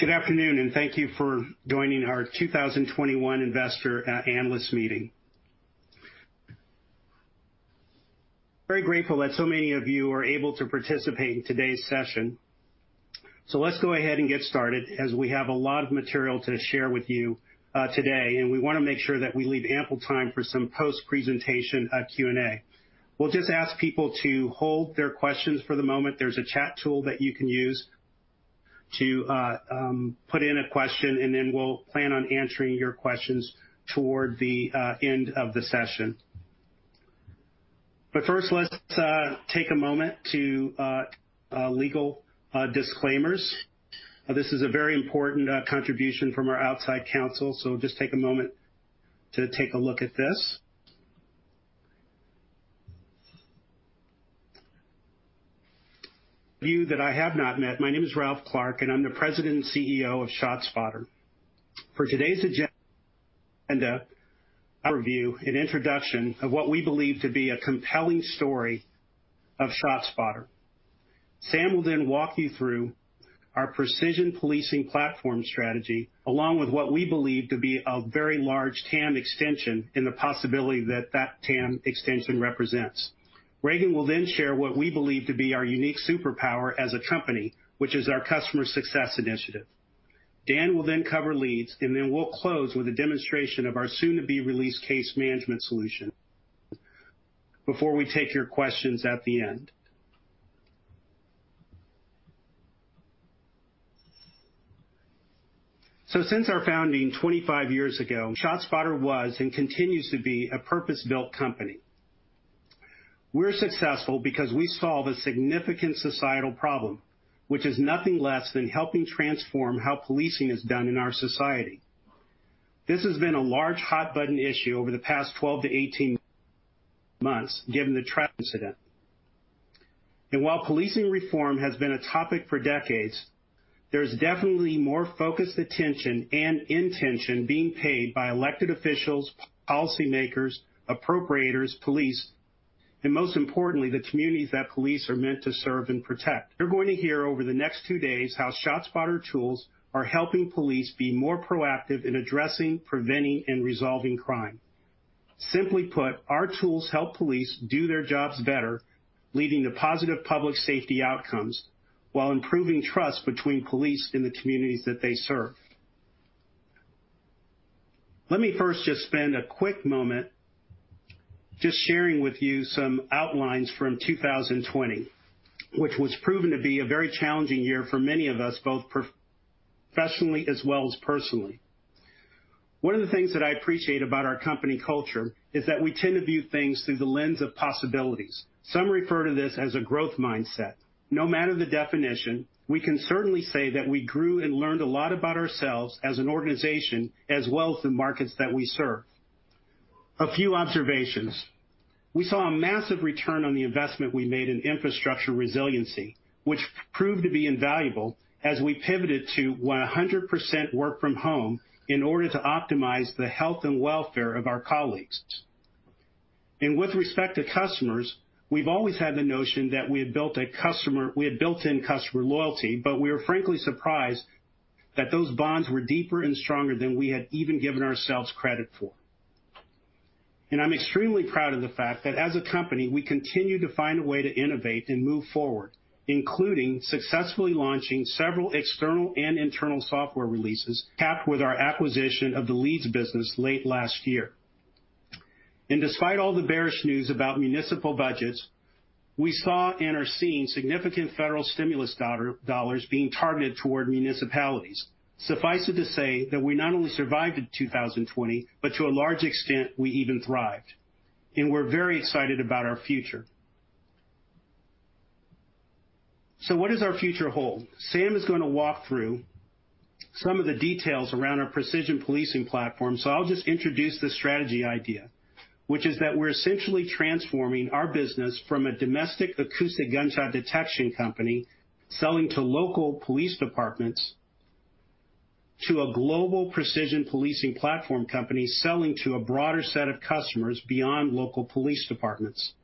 Good afternoon, and thank you for joining our 2021 investor analyst meeting. Very grateful that so many of you are able to participate in today's session. Let's go ahead and get started, as we have a lot of material to share with you today, and we want to make sure that we leave ample time for some post-presentation Q&A. We'll just ask people to hold their questions for the moment. There's a chat tool that you can use to put in a question, and then we'll plan on answering your questions toward the end of the session. First, let's take a moment to legal disclaimers. This is a very important contribution from our outside counsel, so just take a moment to take a look at this. For you that I have not met, my name is Ralph Clark, and I'm the President and CEO of ShotSpotter. For today's agenda, I'll review an introduction of what we believe to be a compelling story of ShotSpotter. Sam will then walk you through our Precision Policing platform strategy, along with what we believe to be a very large TAM extension and the possibility that that TAM extension represents. Regan will then share what we believe to be our unique superpower as a company, which is our customer success initiative. Dan will then cover Leeds, and then we'll close with a demonstration of our soon-to-be-released case management solution before we take your questions at the end. Since our founding 25 years ago, ShotSpotter was and continues to be a purpose-built company. We're successful because we solve a significant societal problem, which is nothing less than helping transform how policing is done in our society. This has been a large hot-button issue over the past 12-18 months, given the tragic incident. While policing reform has been a topic for decades, there's definitely more focused attention and intention being paid by elected officials, policymakers, appropriators, police, and most importantly, the communities that police are meant to serve and protect. You're going to hear over the next two days how SoundThinking tools are helping police be more proactive in addressing, preventing, and resolving crime. Simply put, our tools help police do their jobs better, leading to positive public safety outcomes while improving trust between police and the communities that they serve. Let me first just spend a quick moment just sharing with you some outlines from 2020, which was proven to be a very challenging year for many of us, both professionally as well as personally. One of the things that I appreciate about our company culture is that we tend to view things through the lens of possibilities. Some refer to this as a growth mindset. No matter the definition, we can certainly say that we grew and learned a lot about ourselves as an organization as well as the markets that we serve. A few observations. We saw a massive return on the investment we made in infrastructure resiliency, which proved to be invaluable as we pivoted to 100% work from home in order to optimize the health and welfare of our colleagues. With respect to customers, we've always had the notion that we had built-in customer loyalty, but we were frankly surprised that those bonds were deeper and stronger than we had even given ourselves credit for. I'm extremely proud of the fact that as a company, we continue to find a way to innovate and move forward, including successfully launching several external and internal software releases, capped with our acquisition of the Leeds business late last year. Despite all the bearish news about municipal budgets, we saw and are seeing significant federal stimulus dollars being targeted toward municipalities. Suffice it to say that we not only survived in 2020, but to a large extent, we even thrived, and we're very excited about our future. What does our future hold? Sam is going to walk through some of the details around our Precision Policing platform. I'll just introduce the strategy idea, which is that we're essentially transforming our business from a domestic acoustic gunshot detection company selling to local police departments to a global Precision Policing platform company selling to a broader set of customers beyond local police departments.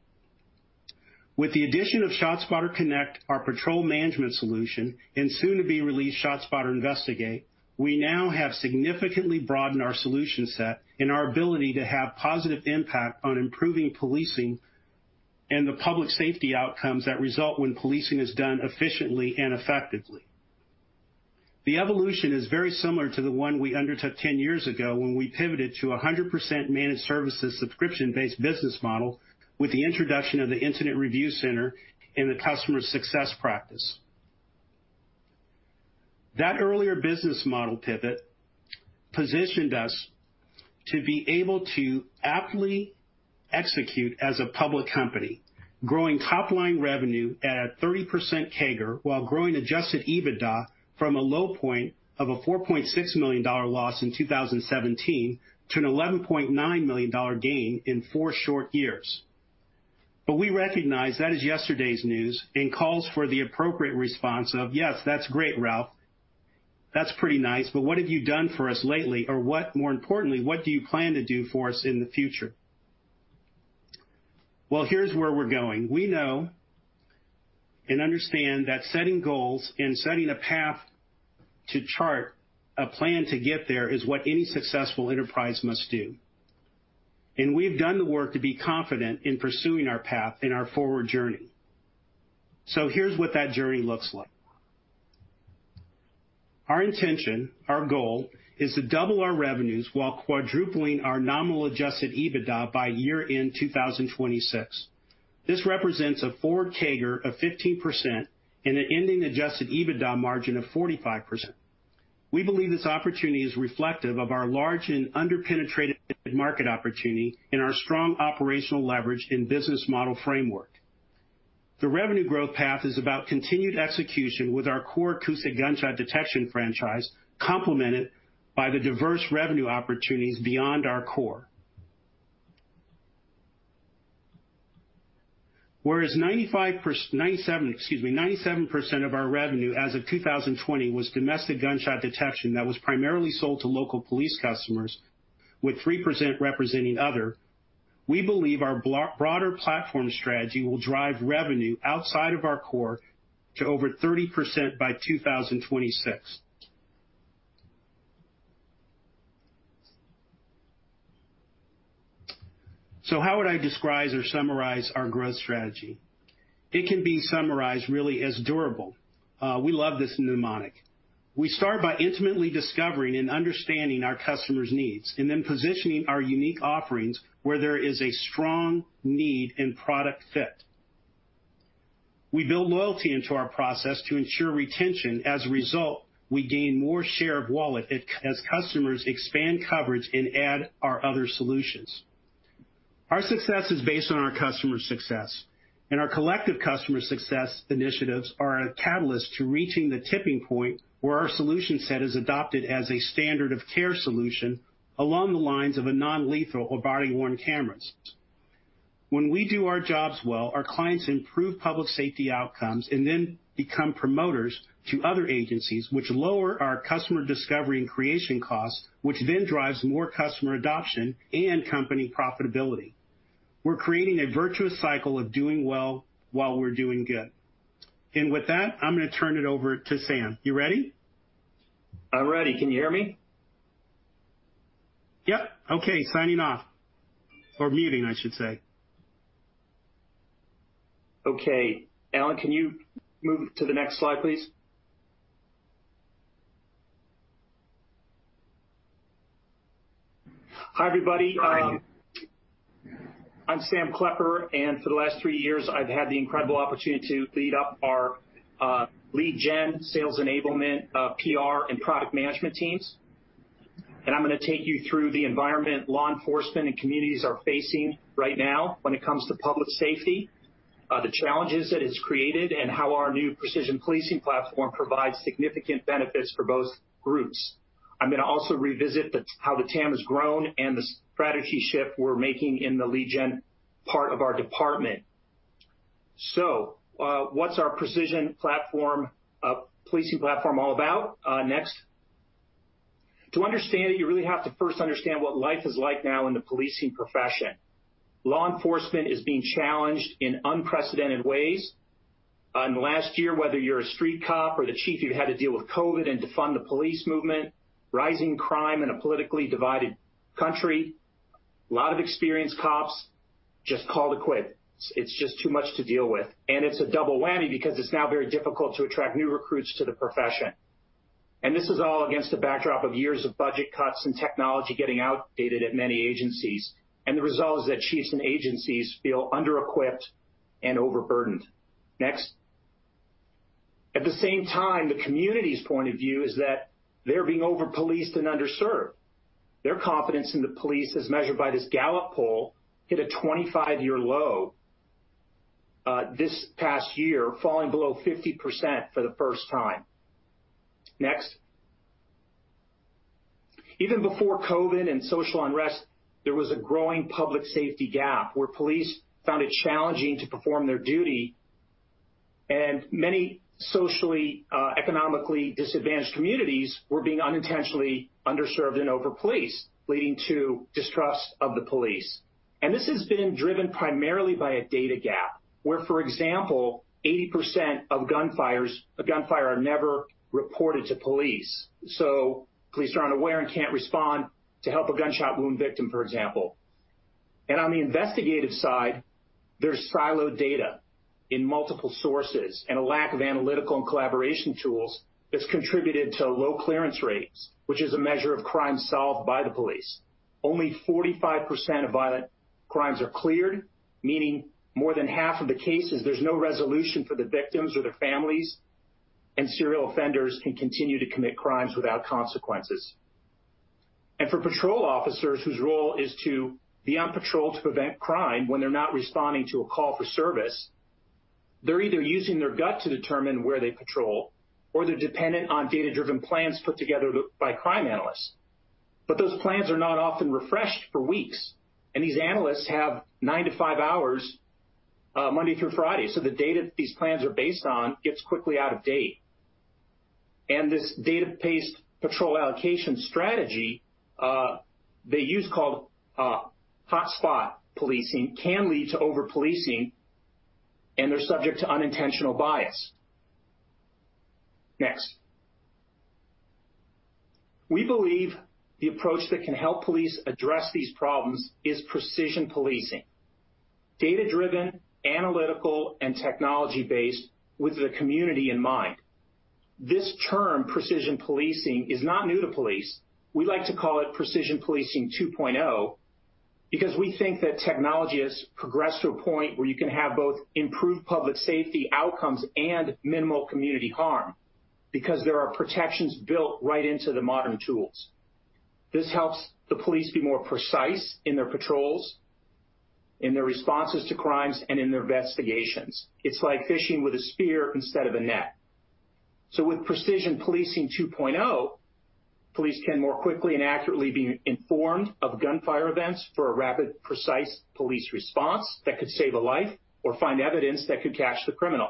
With the addition of ShotSpotter Connect, our patrol management solution, and soon-to-be-released ShotSpotter Investigate, we now have significantly broadened our solution set and our ability to have positive impact on improving policing and the public safety outcomes that result when policing is done efficiently and effectively. The evolution is very similar to the one we undertook 10 years ago when we pivoted to 100% managed services subscription-based business model with the introduction of the Incident Review Center and the customer success practice. That earlier business model pivot positioned us to be able to aptly execute as a public company, growing top-line revenue at a 30% CAGR while growing adjusted EBITDA from a low point of a $4.6 million loss in 2017 to an $11.9 million gain in four short years. We recognize that is yesterday's news and calls for the appropriate response of, Yes, that's great, Ralph. That's pretty nice. But what have you done for us lately? Or more importantly, what do you plan to do for us in the future? Well, here's where we're going. We know and understand that setting goals and setting a path to chart a plan to get there is what any successful enterprise must do. We've done the work to be confident in pursuing our path in our forward journey. Here's what that journey looks like. Our intention, our goal, is to double our revenues while quadrupling our nominal adjusted EBITDA by year-end 2026. This represents a forward CAGR of 15% and an ending adjusted EBITDA margin of 45%. We believe this opportunity is reflective of our large and under-penetrated market opportunity and our strong operational leverage and business model framework. The revenue growth path is about continued execution with our core acoustic gunshot detection franchise, complemented by the diverse revenue opportunities beyond our core. Whereas 97% of our revenue as of 2020 was domestic gunshot detection that was primarily sold to local police customers, with 3% representing other, we believe our broader platform strategy will drive revenue outside of our core to over 30% by 2026. How would I describe or summarize our growth strategy? It can be summarized really as durable. We love this mnemonic. We start by intimately discovering and understanding our customers' needs, and then positioning our unique offerings where there is a strong need and product fit. We build loyalty into our process to ensure retention. As a result, we gain more share of wallet as customers expand coverage and add our other solutions. Our success is based on our customers' success, and our collective customer success initiatives are a catalyst to reaching the tipping point where our solution set is adopted as a standard-of-care solution along the lines of a non-lethal or body-worn cameras. When we do our jobs well, our clients improve public safety outcomes and then become promoters to other agencies, which lower our customer discovery and creation costs, which then drives more customer adoption and company profitability. We're creating a virtuous cycle of doing well while we're doing good. With that, I'm going to turn it over to Sam. You ready? I'm ready. Can you hear me? Yep. Okay. Signing off. Or muting, I should say. Okay. Alan, can you move to the next slide, please? Hi, everybody. Sorry. I'm Sam Klepper, and for the last two years, I've had the incredible opportunity to lead up our lead gen sales enablement, PR, and product management teams. I'm going to take you through the environment law enforcement and communities are facing right now when it comes to public safety, the challenges that it's created, and how our new Precision Policing platform provides significant benefits for both groups. I'm going to also revisit how the TAM has grown and the strategy shift we're making in the lead gen part of our department. What's our Precision Policing platform all about? Next. To understand it, you really have to first understand what life is like now in the policing profession. Law enforcement is being challenged in unprecedented ways. In the last year, whether you're a street cop or the chief, you've had to deal with COVID and Defund the Police movement, rising crime in a politically divided country. A lot of experienced cops just called it quits. It's just too much to deal with. It's now very difficult to attract new recruits to the profession. This is all against a backdrop of years of budget cuts and technology getting outdated at many agencies. The result is that chiefs and agencies feel under-equipped and overburdened. Next. At the same time, the community's point of view is that they're being overpoliced and underserved. Their confidence in the police, as measured by this Gallup poll, hit a 25-year low this past year, falling below 50% for the first time. Next. Even before COVID and social unrest, there was a growing public safety gap where police found it challenging to perform their duty, and many socially, economically disadvantaged communities were being unintentionally underserved and overpoliced, leading to distrust of the police. This has been driven primarily by a data gap where, for example, 80% of gunfire are never reported to police. Police are unaware and can't respond to help a gunshot wound victim, for example. On the investigative side, there's siloed data in multiple sources and a lack of analytical and collaboration tools that's contributed to low clearance rates, which is a measure of crime solved by the police. Only 45% of violent crimes are cleared, meaning more than half of the cases, there's no resolution for the victims or their families, and serial offenders can continue to commit crimes without consequences. For patrol officers whose role is to be on patrol to prevent crime when they're not responding to a call for service, they're either using their gut to determine where they patrol or they're dependent on data-driven plans put together by crime analysts. Those plans are not often refreshed for weeks, and these analysts have nine to five hours, Monday through Friday. The data that these plans are based on gets quickly out of date. This data-based patrol allocation strategy they use, called hot spots policing, can lead to over-policing, and they're subject to unintentional bias. Next. We believe the approach that can help police address these problems is Precision Policing. Data-driven, analytical, and technology-based with the community in mind. This term, Precision Policing, is not new to police. We like to call it Precision Policing 2.0 because we think that technology has progressed to a point where you can have both improved public safety outcomes and minimal community harm, because there are protections built right into the modern tools. This helps the police be more precise in their patrols, in their responses to crimes, and in their investigations. It's like fishing with a spear instead of a net. With Precision Policing 2.0, police can more quickly and accurately be informed of gunfire events for a rapid, precise police response that could save a life or find evidence that could catch the criminal.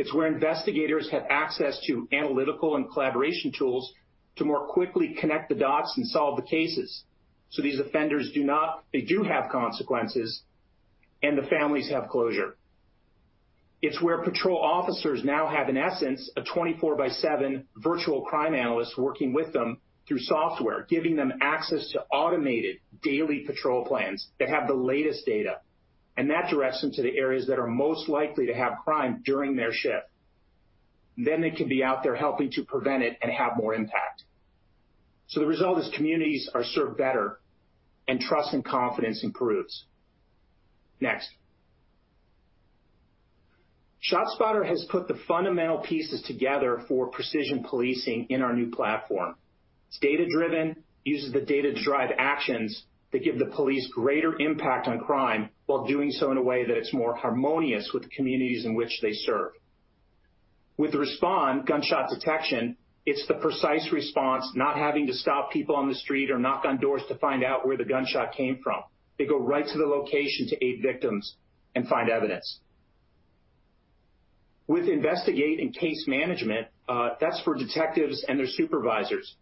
It's where investigators have access to analytical and collaboration tools to more quickly connect the dots and solve the cases. These offenders, they do have consequences, and the families have closure. It's where patrol officers now have, in essence, a 24/7 virtual crime analyst working with them through software, giving them access to automated daily patrol plans that have the latest data, and that directs them to the areas that are most likely to have crime during their shift. They can be out there helping to prevent it and have more impact. The result is communities are served better and trust and confidence improves. Next. ShotSpotter has put the fundamental pieces together for Precision Policing in our new platform. It's data-driven, uses the data to drive actions that give the police greater impact on crime while doing so in a way that it's more harmonious with the communities in which they serve. With ShotSpotter Respond, it's the precise response, not having to stop people on the street or knock on doors to find out where the gunshot came from. They go right to the location to aid victims and find evidence. With ShotSpotter Investigate, that's for detectives and their supervisors.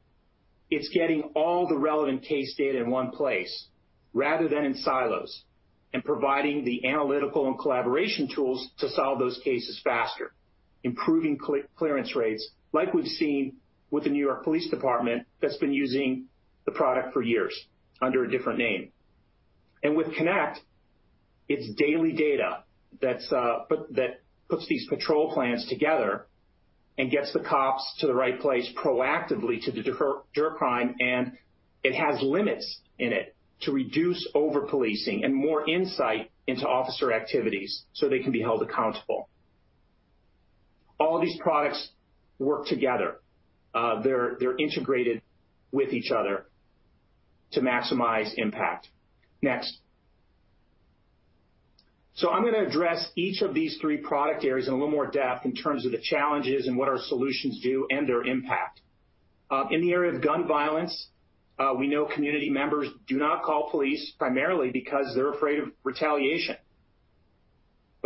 It's getting all the relevant case data in one place rather than in silos, and providing the analytical and collaboration tools to solve those cases faster, improving clearance rates like we've seen with the New York Police Department that's been using the product for years under a different name. With ShotSpotter Connect, it's daily data that puts these patrol plans together and gets the cops to the right place proactively to deter crime. It has limits in it to reduce over-policing and more insight into officer activities so they can be held accountable. All these products work together. They're integrated with each other to maximize impact. Next. I'm going to address each of these three product areas in a little more depth in terms of the challenges and what our solutions do and their impact. In the area of gun violence, we know community members do not call police primarily because they're afraid of retaliation.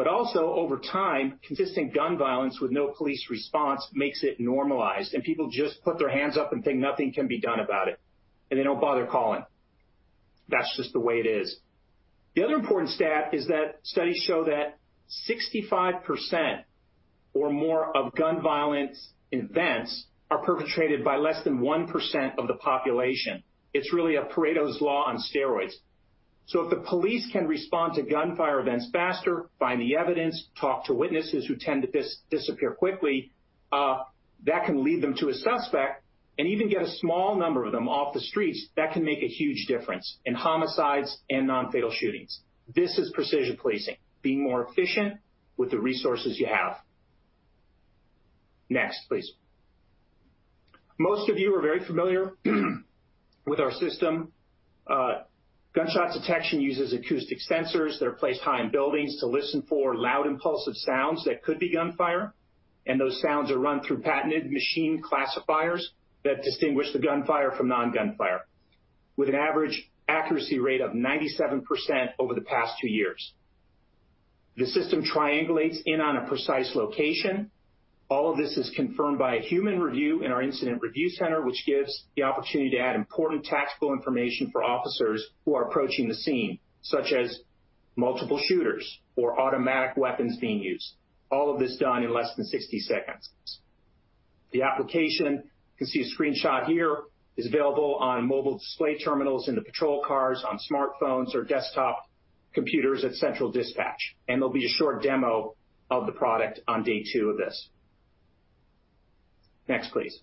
Also over time, consistent gun violence with no police response makes it normalized, and people just put their hands up and think nothing can be done about it, and they don't bother calling. That's just the way it is. The other important stat is that studies show that 65% or more of gun violence events are perpetrated by less than 1% of the population. It's really a Pareto's law on steroids. If the police can respond to gunfire events faster, find the evidence, talk to witnesses who tend to disappear quickly, that can lead them to a suspect. Even get a small number of them off the streets, that can make a huge difference in homicides and non-fatal shootings. This is Precision Policing, being more efficient with the resources you have. Next, please. Most of you are very familiar with our system. Gunshot detection uses acoustic sensors that are placed high in buildings to listen for loud, impulsive sounds that could be gunfire. Those sounds are run through patented machine classifiers that distinguish the gunfire from non-gunfire with an average accuracy rate of 97% over the past two years. The system triangulates in on a precise location. All of this is confirmed by a human review in our Incident Review Center, which gives the opportunity to add important tactical information for officers who are approaching the scene, such as multiple shooters or automatic weapons being used. All of this is done in less than 60 seconds. The application, you can see a screenshot here, is available on mobile display terminals in the patrol cars, on smartphones, or desktop computers at central dispatch, and there'll be a short demo of the product on day two of this. Next, please.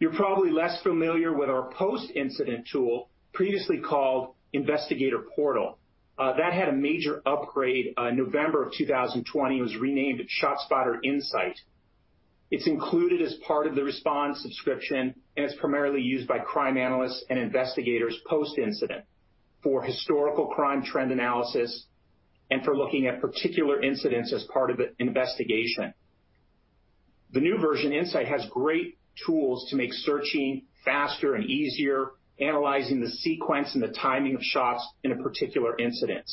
You're probably less familiar with our post-incident tool, previously called Investigator Portal. That had a major upgrade November of 2020. It was renamed ShotSpotter Insight. It's included as part of the Respond subscription and is primarily used by crime analysts and investigators post-incident for historical crime trend analysis and for looking at particular incidents as part of an investigation. The new version, Insight, has great tools to make searching faster and easier, analyzing the sequence and the timing of shots in a particular incident.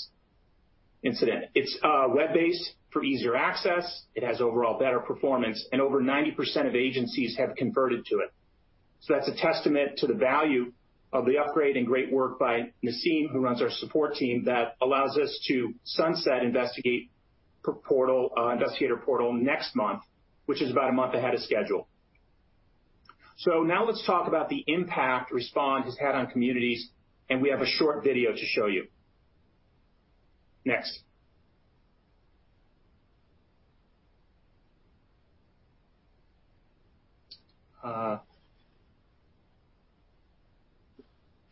It's web-based for easier access. It has overall better performance, and over 90% of agencies have converted to it. That's a testament to the value of the upgrade and great work by Nasim, who runs our support team that allows us to sunset Investigate portal, Investigator portal next month, which is about a month ahead of schedule. Now let's talk about the impact Respond has had on communities, and we have a short video to show you. Next.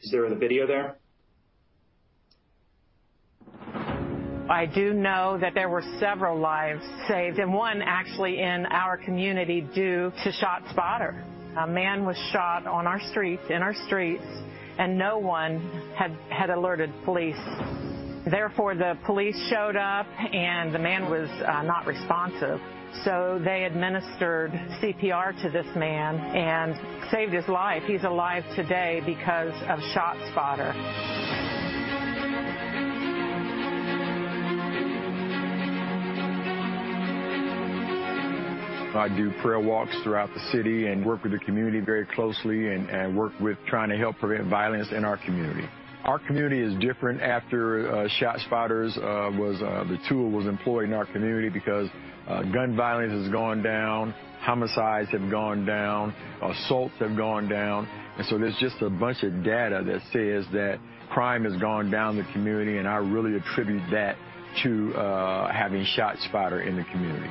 Is there a video there? I do know that there were several lives saved, and one actually in our community, due to ShotSpotter. A man was shot on our streets, in our streets, and no one had alerted police. Therefore, the police showed up, and the man was not responsive. They administered CPR to this man and saved his life. He's alive today because of ShotSpotter. I do prayer walks throughout the city and work with the community very closely and work with trying to help prevent violence in our community. Our community is different after ShotSpotter, the tool, was employed in our community because gun violence has gone down, homicides have gone down, assaults have gone down. There's just a bunch of data that says that crime has gone down in the community, and I really attribute that to having ShotSpotter in the community.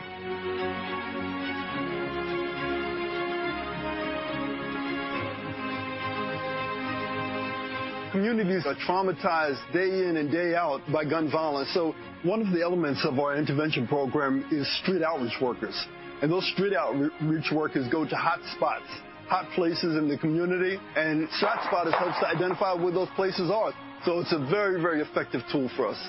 Communities are traumatized day in and day out by gun violence. One of the elements of our intervention program is street outreach workers. Those street outreach workers go to hotspots, hot places in the community, and ShotSpotter helps to identify where those places are. It's a very, very effective tool for us.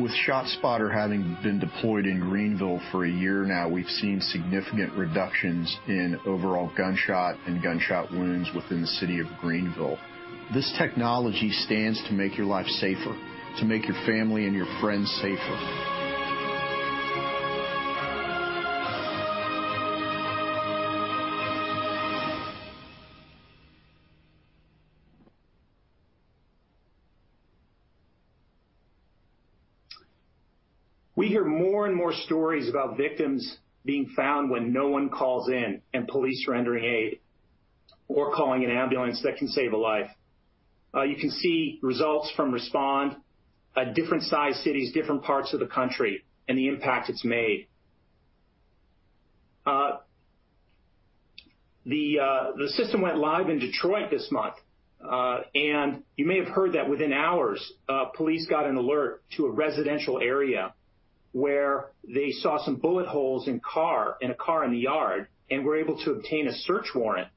With ShotSpotter having been deployed in Greenville for a year now, we've seen significant reductions in overall gunshot and gunshot wounds within the city of Greenville. This technology stands to make your life safer, to make your family and your friends safer. We hear more and more stories about victims being found when no one calls in, and police rendering aid or calling an ambulance that can save a life. You can see results from Respond, different size cities, different parts of the country, and the impact it's made. The system went live in Detroit this month. You may have heard that within hours, police got an alert to a residential area where they saw some bullet holes in a car in the yard and were able to obtain a search warrant.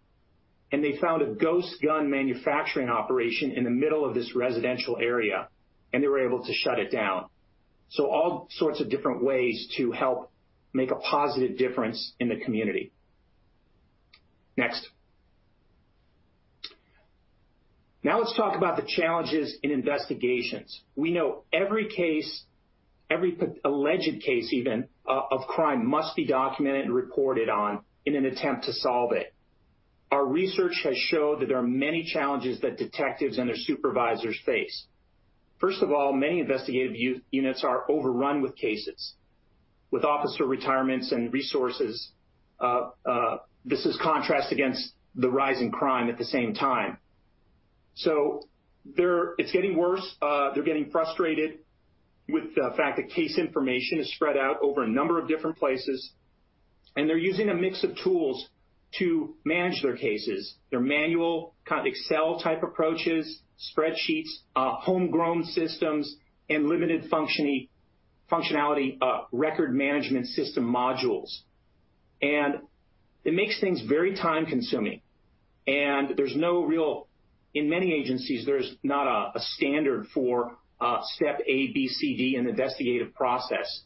They found a ghost gun manufacturing operation in the middle of this residential area, and they were able to shut it down. All sorts of different ways to help make a positive difference in the community. Next. Now let's talk about the challenges in investigations. We know every case, every alleged case even, of crime must be documented and reported on in an attempt to solve it. Our research has showed that there are many challenges that detectives and their supervisors face. First of all, many investigative units are overrun with cases, with officer retirements and resources. This is in contrast to the rise in crime at the same time. It's getting worse. They're getting frustrated with the fact that case information is spread out over a number of different places, and they're using a mix of tools to manage their cases, their manual kind of Excel type approaches, spreadsheets, homegrown systems, and limited functionality records management system modules. It makes things very time-consuming. In many agencies, there's not a standard for step A, B, C, D in the investigative process.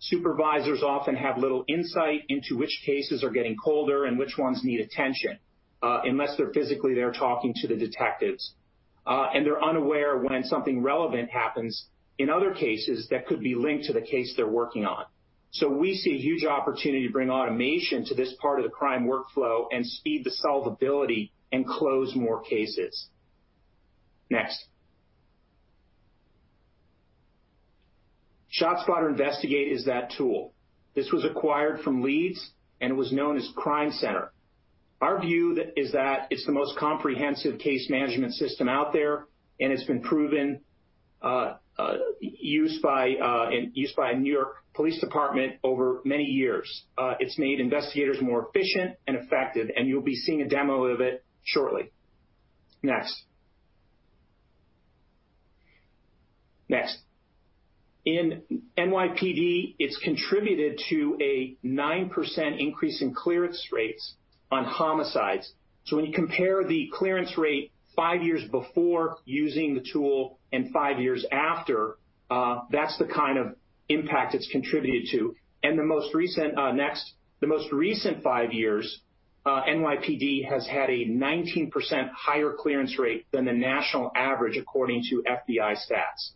Supervisors often have little insight into which cases are getting colder and which ones need attention, unless they're physically there talking to the detectives. They're unaware when something relevant happens in other cases that could be linked to the case they're working on. We see a huge opportunity to bring automation to this part of the crime workflow and speed the solvability and close more cases. Next. ShotSpotter Investigate is that tool. This was acquired from LEEDS and was known as CrimeCenter. Our view is that it's the most comprehensive case management system out there, and it's been proven, used by New York Police Department over many years. It's made investigators more efficient and effective, and you'll be seeing a demo of it shortly. Next. Next. In NYPD, it's contributed to a 9% increase in clearance rates on homicides. When you compare the clearance rate five years before using the tool and five years after, that's the kind of impact it's contributed to. The most recent five years NYPD has had a 19% higher clearance rate than the national average, according to FBI stats.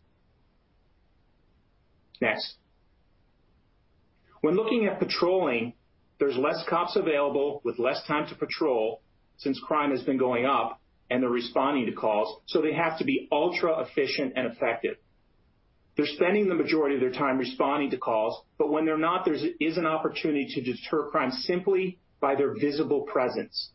When looking at patrolling, there's less cops available with less time to patrol since crime has been going up and they're responding to calls, so they have to be ultra efficient and effective. They're spending the majority of their time responding to calls, but when they're not, there is an opportunity to deter crime simply by their visible presence.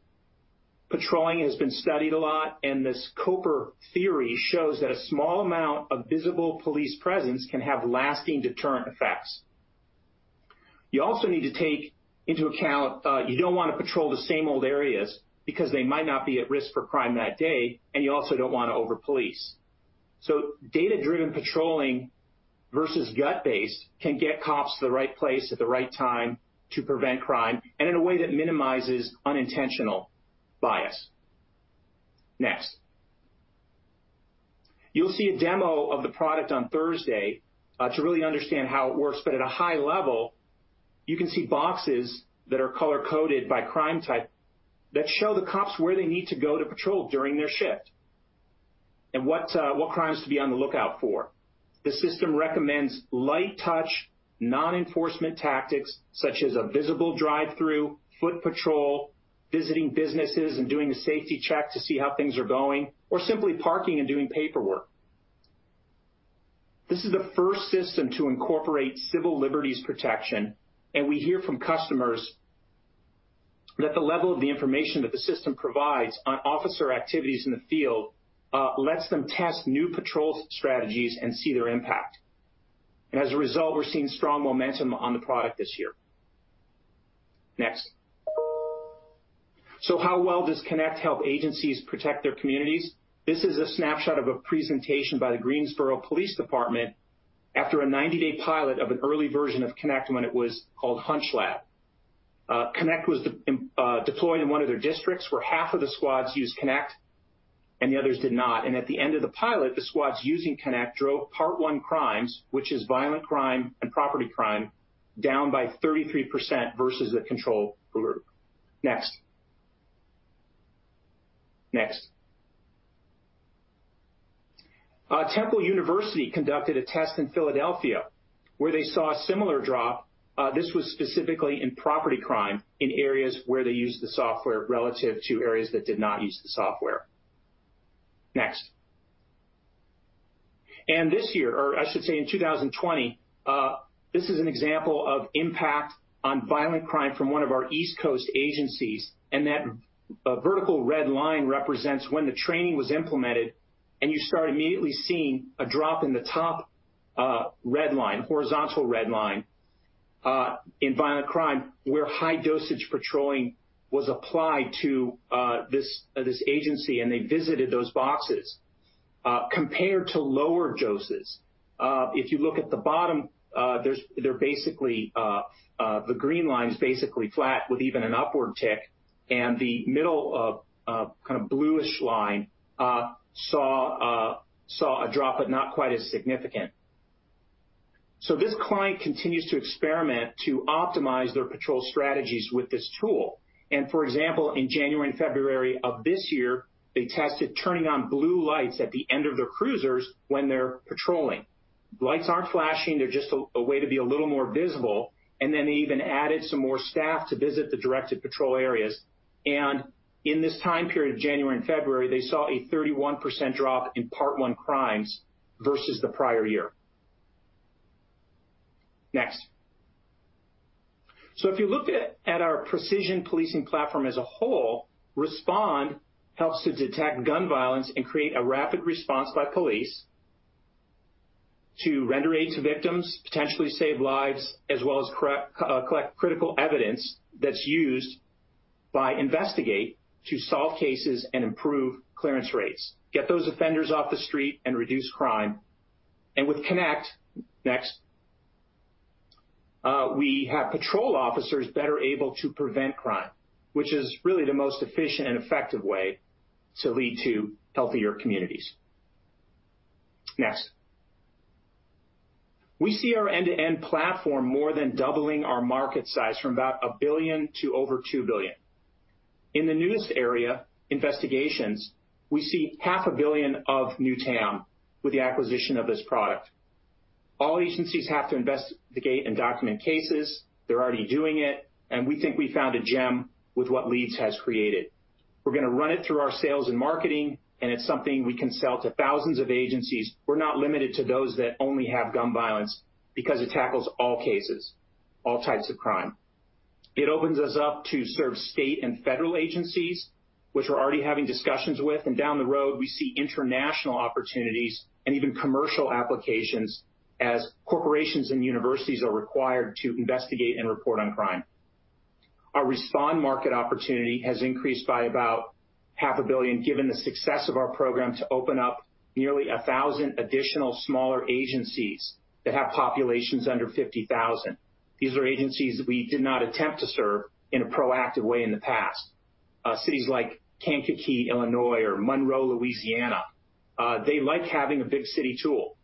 Patrolling has been studied a lot, and this Koper theory shows that a small amount of visible police presence can have lasting deterrent effects. You also need to take into account you don't want to patrol the same old areas because they might not be at risk for crime that day, and you also don't want to over-police. Data-driven patrolling versus gut-based can get cops to the right place at the right time to prevent crime, and in a way that minimizes unintentional bias. Next. You'll see a demo of the product on Thursday to really understand how it works. At a high level, you can see boxes that are color-coded by crime type that show the cops where they need to go to patrol during their shift, and what crimes to be on the lookout for. The system recommends light touch, non-enforcement tactics such as a visible drive-through, foot patrol, visiting businesses and doing a safety check to see how things are going, or simply parking and doing paperwork. This is the first system to incorporate civil liberties protection, and we hear from customers that the level of the information that the system provides on officer activities in the field lets them test new patrol strategies and see their impact. As a result, we're seeing strong momentum on the product this year. Next. How well does Connect help agencies protect their communities? This is a snapshot of a presentation by the Greensboro Police Department after a 90-day pilot of an early version of Connect when it was called HunchLab. Connect was deployed in one of their districts where half of the squads used Connect and the others did not. At the end of the pilot, the squads using Connect drove Part I crimes, which is violent crime and property crime, down by 33% versus the control group. Next. Next. Temple University conducted a test in Philadelphia where they saw a similar drop. This was specifically in property crime in areas where they used the software relative to areas that did not use the software. Next. This year, or I should say in 2020, this is an example of impact on violent crime from one of our East Coast agencies. That vertical red line represents when the training was implemented, and you start immediately seeing a drop in the top red line, horizontal red line, in violent crime, where high-dosage patrolling was applied to this agency, and they visited those boxes, compared to lower doses. If you look at the bottom, the green line's basically flat with even an upward tick. The middle bluish line saw a drop, but not quite as significant. This client continues to experiment to optimize their patrol strategies with this tool. For example, in January and February of this year, they tested turning on blue lights at the end of their cruisers when they're patrolling. The lights aren't flashing, they're just a way to be a little more visible. Then they even added some more staff to visit the directed patrol areas. In this time period of January and February, they saw a 31% drop in Part I crimes versus the prior year. Next. If you look at our Precision Policing platform as a whole, Respond helps to detect gun violence and create a rapid response by police to render aid to victims, potentially save lives, as well as collect critical evidence that's used by Investigate to solve cases and improve clearance rates, get those offenders off the street and reduce crime. With Connect, next, we have patrol officers better able to prevent crime, which is really the most efficient and effective way to lead to healthier communities. Next. We see our end-to-end platform more than doubling our market size from about $1 billion to over $2 billion. In the newest area, investigations, we see $ half a billion of new TAM with the acquisition of this product. All agencies have to investigate and document cases. They're already doing it, and we think we found a gem with what Leads has created. We're going to run it through our sales and marketing, and it's something we can sell to thousands of agencies, who're not limited to those that only have gun violence because it tackles all cases, all types of crime. It opens us up to serve state and federal agencies, which we're already having discussions with. Down the road, we see international opportunities and even commercial applications as corporations and universities are required to investigate and report on crime. Our Respond market opportunity has increased by about $ half a billion, given the success of our program to open up nearly 1,000 additional smaller agencies that have populations under 50,000. These are agencies that we did not attempt to serve in a proactive way in the past. Cities like Kankakee, Illinois, or Monroe, Louisiana, they like having a big city tool.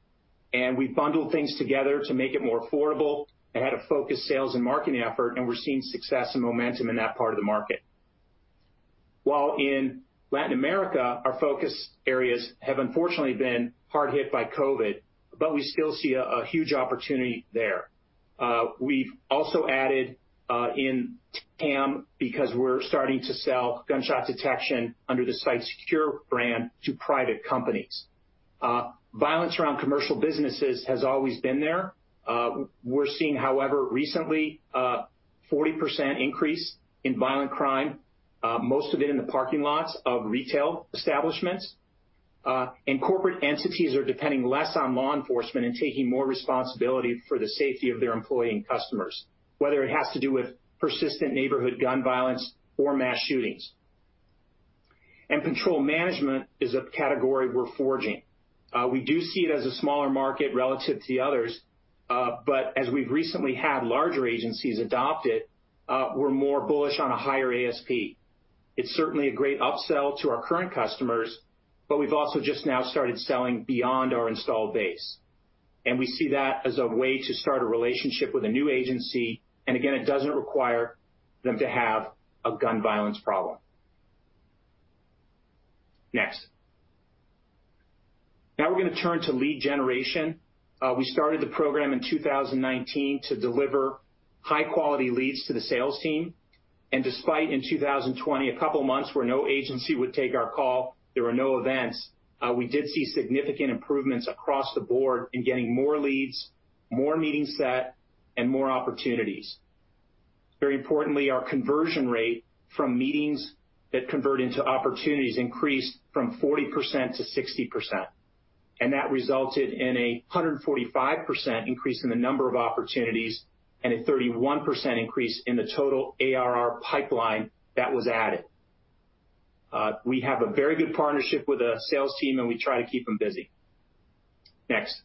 We've bundled things together to make it more affordable. It had a focused sales and marketing effort, and we're seeing success and momentum in that part of the market. While in Latin America, our focus areas have unfortunately been hard hit by COVID, but we still see a huge opportunity there. We've also added in TAM because we're starting to sell gunshot detection under the SiteSecure brand to private companies. Violence around commercial businesses has always been there. We're seeing, however, recently, a 40% increase in violent crime, most of it in the parking lots of retail establishments. Corporate entities are depending less on law enforcement and taking more responsibility for the safety of their employee and customers, whether it has to do with persistent neighborhood gun violence or mass shootings. Control management is a category we're forging. We do see it as a smaller market relative to the others, but as we've recently had larger agencies adopt it, we're more bullish on a higher ASP. It's certainly a great upsell to our current customers, but we've also just now started selling beyond our installed base. We see that as a way to start a relationship with a new agency, and again, it doesn't require them to have a gun violence problem. Next. Now we're going to turn to lead generation. We started the program in 2019 to deliver high-quality leads to the sales team. Despite in 2020, a couple of months where no agency would take our call, there were no events, we did see significant improvements across the board in getting more leads, more meetings set, and more opportunities. Very importantly, our conversion rate from meetings that convert into opportunities increased from 40% to 60%, and that resulted in a 145% increase in the number of opportunities and a 31% increase in the total ARR pipeline that was added. We have a very good partnership with the sales team, and we try to keep them busy. Next.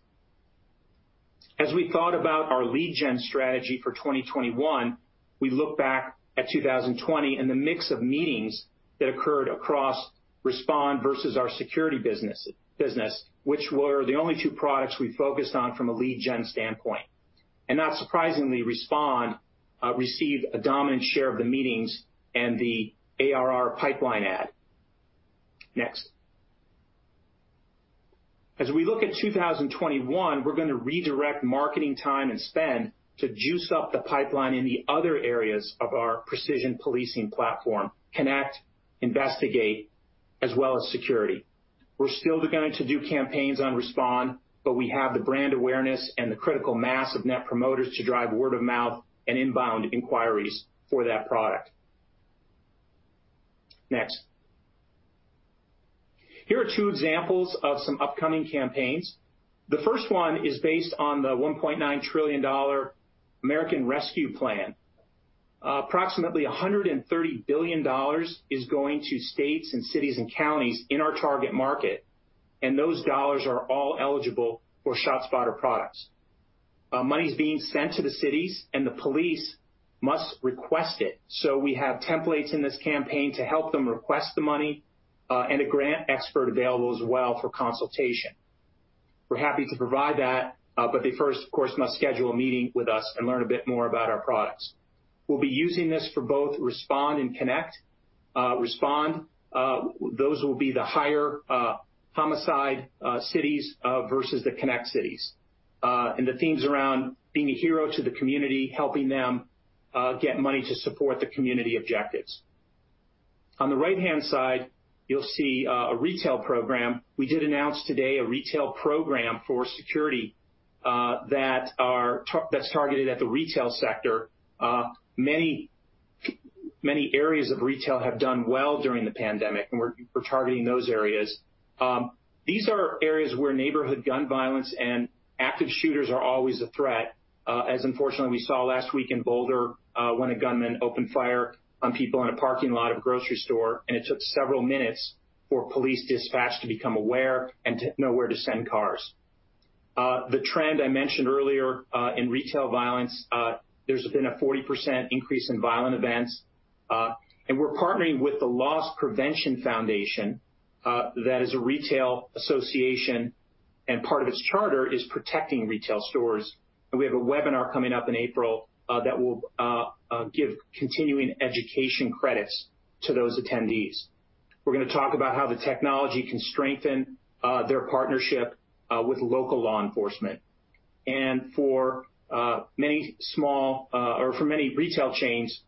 As we thought about our lead gen strategy for 2021, we look back at 2020 and the mix of meetings that occurred across Respond versus our Security business, which were the only two products we focused on from a lead gen standpoint. Not surprisingly, Respond received a dominant share of the meetings and the ARR pipeline add. Next. As we look at 2021, we're going to redirect marketing time and spend to juice up the pipeline in the other areas of our Precision Policing platform, Connect, Investigate, as well as Security. We're still going to do campaigns on Respond, but we have the brand awareness and the critical mass of net promoters to drive word of mouth and inbound inquiries for that product. Next. Here are two examples of some upcoming campaigns. The first one is based on the $1.9 trillion American Rescue Plan. Approximately $130 billion is going to states and cities and counties in our target market, and those dollars are all eligible for ShotSpotter products. Money is being sent to the cities, and the police must request it. We have templates in this campaign to help them request the money, and a grant expert available as well for consultation. We're happy to provide that, but they first, of course, must schedule a meeting with us and learn a bit more about our products. We'll be using this for both Respond and Connect. Respond, those will be the higher homicide cities versus the Connect cities. The themes around being a hero to the community, helping them get money to support the community objectives. On the right-hand side, you'll see a retail program. We did announce today a retail program for security that's targeted at the retail sector. Many areas of retail have done well during the pandemic, and we're targeting those areas. These are areas where neighborhood gun violence and active shooters are always a threat. As, unfortunately, we saw last week in Boulder, when a gunman opened fire on people in a parking lot of a grocery store, and it took several minutes for police dispatch to become aware and to know where to send cars. The trend I mentioned earlier in retail violence. There's been a 40% increase in violent events. We're partnering with the Loss Prevention Foundation, that is a retail association, and part of its charter is protecting retail stores. We have a webinar coming up in April that will give continuing education credits to those attendees. We're going to talk about how the technology can strengthen their partnership with local law enforcement. For many retail chains,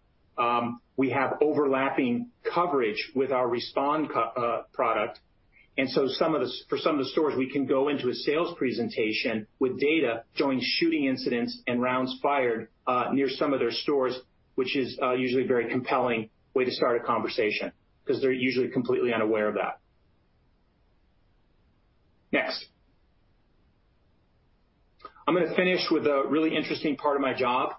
we have overlapping coverage with our Respond product, and so for some of the stores, we can go into a sales presentation with data showing shooting incidents and rounds fired near some of their stores, which is usually a very compelling way to start a conversation because they're usually completely unaware of that. Next. I'm going to finish with a really interesting part of my job,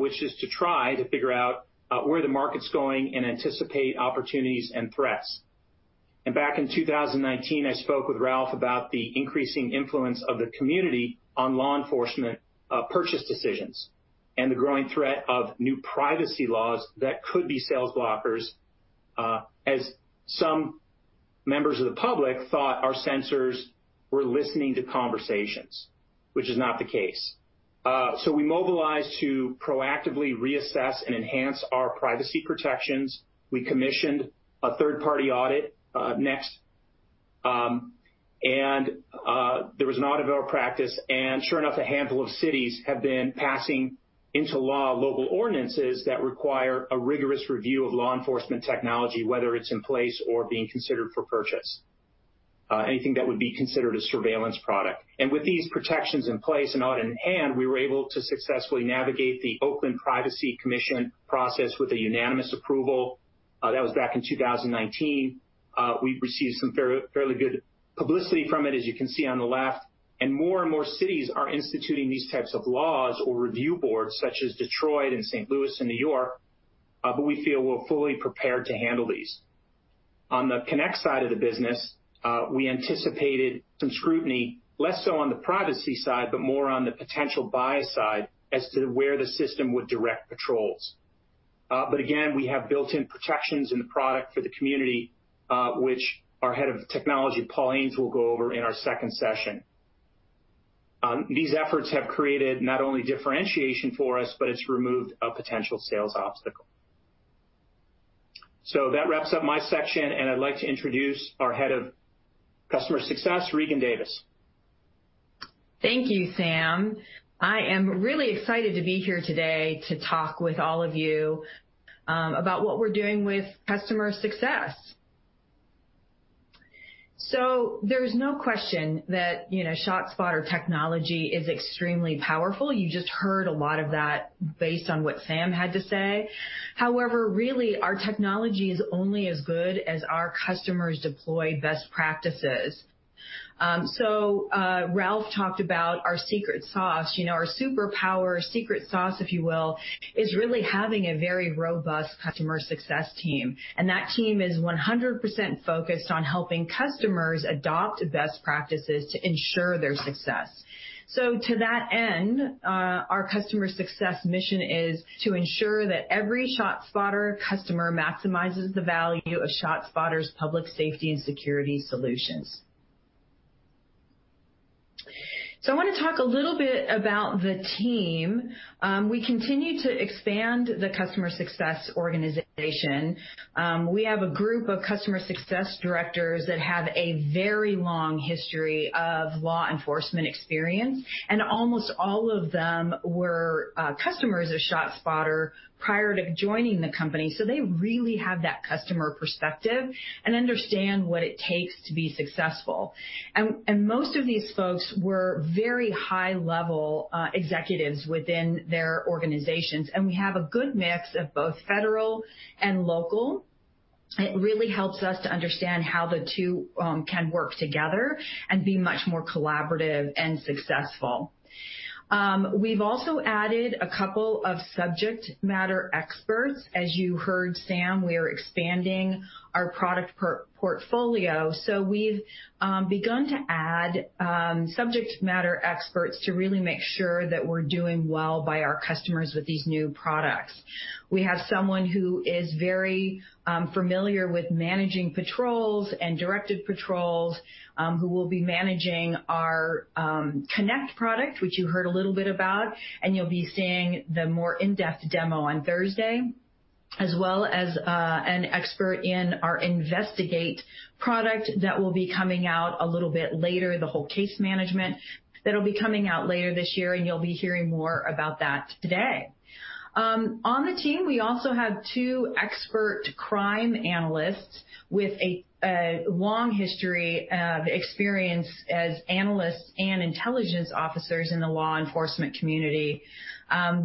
which is to try to figure out where the market's going and anticipate opportunities and threats. Back in 2019, I spoke with Ralph about the increasing influence of the community on law enforcement purchase decisions and the growing threat of new privacy laws that could be sales blockers as some members of the public thought our sensors were listening to conversations, which is not the case. We mobilized to proactively reassess and enhance our privacy protections. We commissioned a third-party audit next, and there was an audit of our practice, and sure enough, a handful of cities have been passing into law local ordinances that require a rigorous review of law enforcement technology, whether it's in place or being considered for purchase, anything that would be considered a surveillance product. With these protections in place and audit in hand, we were able to successfully navigate the Oakland Privacy Advisory Commission process with a unanimous approval. That was back in 2019. We've received some fairly good publicity from it, as you can see on the left, and more and more cities are instituting these types of laws or review boards such as Detroit and St. Louis and New York. We feel we're fully prepared to handle these. On the Connect side of the business, we anticipated some scrutiny, less so on the privacy side, but more on the potential buy side as to where the system would direct patrols. Again, we have built-in protections in the product for the community, which our Head of Technology, Paul Ames, will go over in our second session. These efforts have created not only differentiation for us, but it's removed a potential sales obstacle. That wraps up my section, and I'd like to introduce our Head of Customer Success, Regan Davis. Thank you, Sam. I am really excited to be here today to talk with all of you about what we're doing with customer success. There's no question that ShotSpotter technology is extremely powerful. You just heard a lot of that based on what Sam had to say. However, really, our technology is only as good as our customers deploy best practices. Ralph talked about our secret sauce. Our superpower secret sauce, if you will, is really having a very robust customer success team. That team is 100% focused on helping customers adopt best practices to ensure their success. To that end, our customer success mission is to ensure that every ShotSpotter customer maximizes the value of ShotSpotter's public safety and security solutions. I want to talk a little bit about the team. We continue to expand the customer success organization. We have a group of customer success directors that have a very long history of law enforcement experience, and almost all of them were customers of ShotSpotter prior to joining the company. They really have that customer perspective and understand what it takes to be successful. Most of these folks were very high-level executives within their organizations, and we have a good mix of both federal and local. It really helps us to understand how the two can work together and be much more collaborative and successful. We've also added a couple of subject matter experts. As you heard Sam, we are expanding our product portfolio, so we've begun to add subject matter experts to really make sure that we're doing well by our customers with these new products. We have someone who is very familiar with managing patrols and directed patrols, who will be managing our Connect product, which you heard a little bit about, and you'll be seeing the more in-depth demo on Thursday, as well as an expert in our Investigate product that will be coming out a little bit later, the whole case management, that'll be coming out later this year, and you'll be hearing more about that today. On the team, we also have two expert crime analysts with a long history of experience as analysts and intelligence officers in the law enforcement community.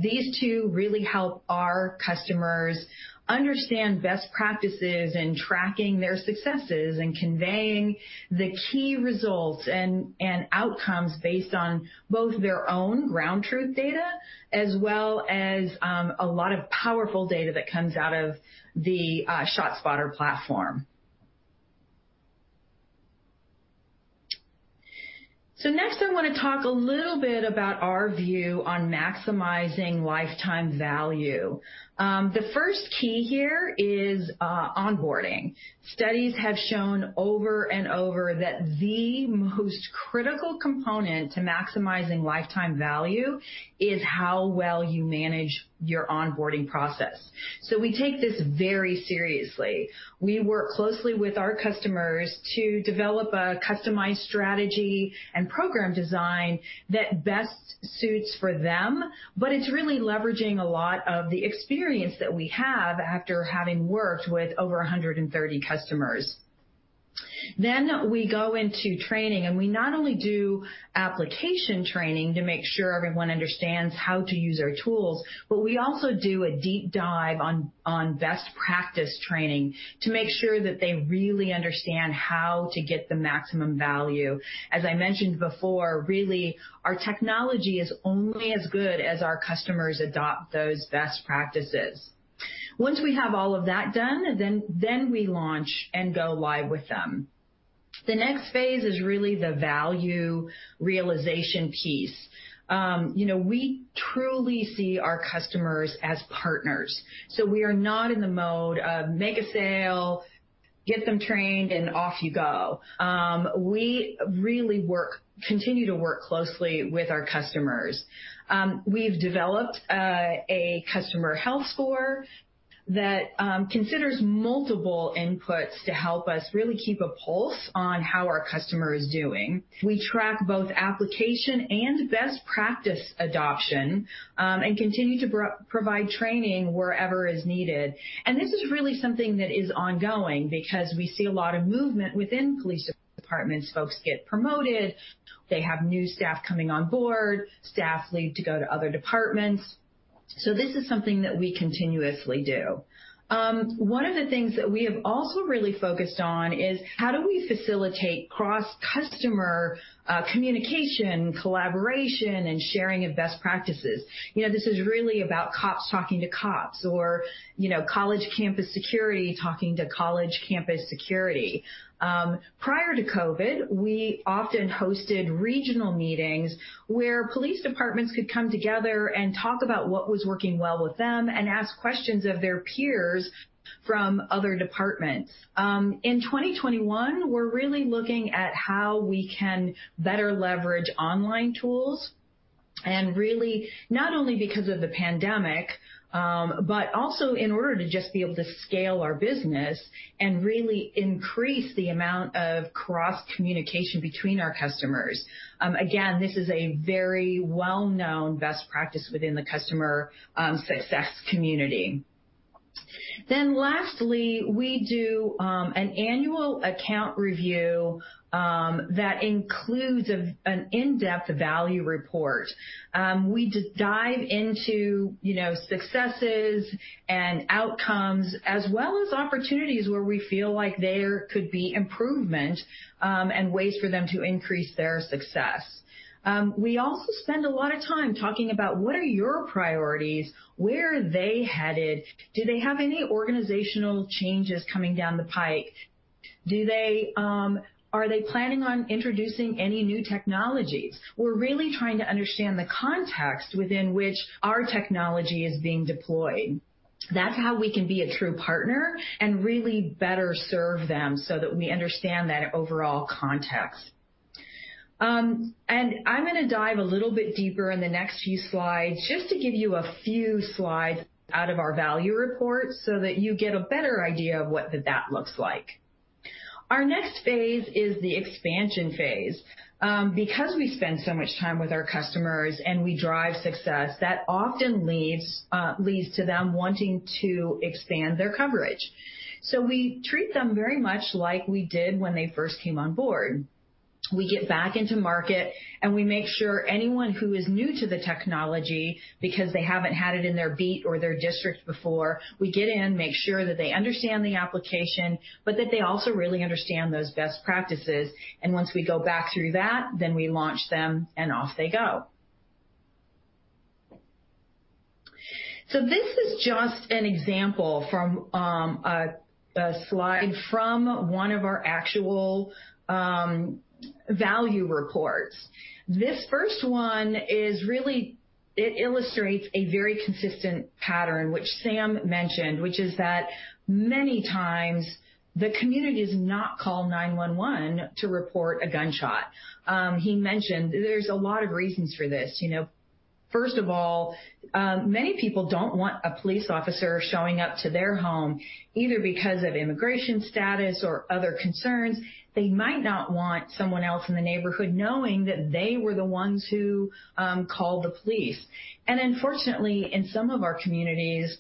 These two really help our customers understand best practices in tracking their successes and conveying the key results and outcomes based on both their own ground truth data, as well as a lot of powerful data that comes out of the ShotSpotter platform. Next, I want to talk a little bit about our view on maximizing lifetime value. The first key here is onboarding. Studies have shown over and over that the most critical component to maximizing lifetime value is how well you manage your onboarding process. We take this very seriously. We work closely with our customers to develop a customized strategy and program design that best suits for them. It's really leveraging a lot of the experience that we have after having worked with over 130 customers. We go into training, and we not only do application training to make sure everyone understands how to use our tools, but we also do a deep dive on best practice training to make sure that they really understand how to get the maximum value. As I mentioned before, really, our technology is only as good as our customers adopt those best practices. Once we have all of that done, then we launch and go live with them. The next phase is really the value realization piece. We truly see our customers as partners. So we are not in the mode of make a sale, get them trained, and off you go. We really continue to work closely with our customers. We've developed a customer health score that considers multiple inputs to help us really keep a pulse on how our customer is doing. We track both application and best practice adoption, and continue to provide training wherever is needed. This is really something that is ongoing because we see a lot of movement within police departments. Folks get promoted. They have new staff coming on board. Staff leave to go to other departments. This is something that we continuously do. One of the things that we have also really focused on is how do we facilitate cross-customer communication, collaboration, and sharing of best practices. This is really about cops talking to cops or college campus security talking to college campus security. Prior to COVID, we often hosted regional meetings where police departments could come together and talk about what was working well with them and ask questions of their peers from other departments. In 2021, we're really looking at how we can better leverage online tools, and really not only because of the pandemic, but also in order to just be able to scale our business and really increase the amount of cross-communication between our customers. Again, this is a very well-known best practice within the customer success community. Lastly, we do an annual account review, that includes an in-depth value report. We dive into successes and outcomes as well as opportunities where we feel like there could be improvement, and ways for them to increase their success. We also spend a lot of time talking about what are your priorities, where are they headed? Do they have any organizational changes coming down the pipe? Are they planning on introducing any new technologies? We're really trying to understand the context within which our technology is being deployed. That's how we can be a true partner and really better serve them so that we understand that overall context. I'm going to dive a little bit deeper in the next few slides just to give you a few slides out of our value report so that you get a better idea of what that looks like. Our next phase is the expansion phase. Because we spend so much time with our customers and we drive success, that often leads to them wanting to expand their coverage. We treat them very much like we did when they first came on board. We get back into market, and we make sure anyone who is new to the technology, because they haven't had it in their beat or their district before, we get in, make sure that they understand the application, but that they also really understand those best practices. Once we go back through that, we launch them and off they go. This is just an example from a slide from one of our actual value reports. This first one illustrates a very consistent pattern, which Sam mentioned, which is that many times the community has not called 911 to report a gunshot. He mentioned there's a lot of reasons for this. First of all, many people don't want a police officer showing up to their home, either because of immigration status or other concerns. They might not want someone else in the neighborhood knowing that they were the ones who called the police. Unfortunately, in some of our communities,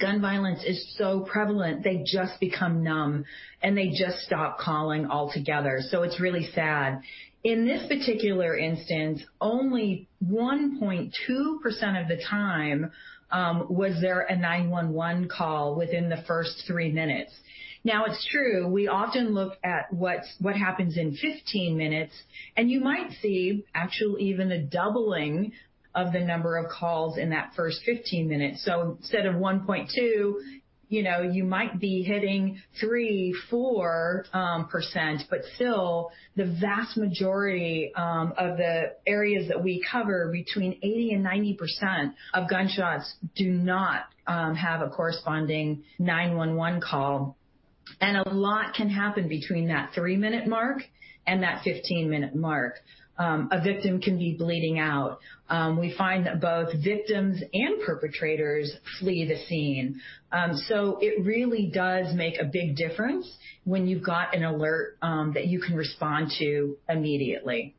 gun violence is so prevalent, they just become numb, and they just stop calling altogether. It's really sad. In this particular instance, only 1.2% of the time was there a 911 call within the first 3 minutes. Now, it's true, we often look at what happens in 15 minutes, and you might see actual even a doubling of the number of calls in that first 15 minutes. Instead of 1.2, you might be hitting 3%-4%, but still the vast majority of the areas that we cover, between 80%-90% of gunshots do not have a corresponding 911 call. A lot can happen between that 3-minute mark and that 15-minute mark. A victim can be bleeding out. We find that both victims and perpetrators flee the scene. It really does make a big difference when you've got an alert that you can respond to immediately.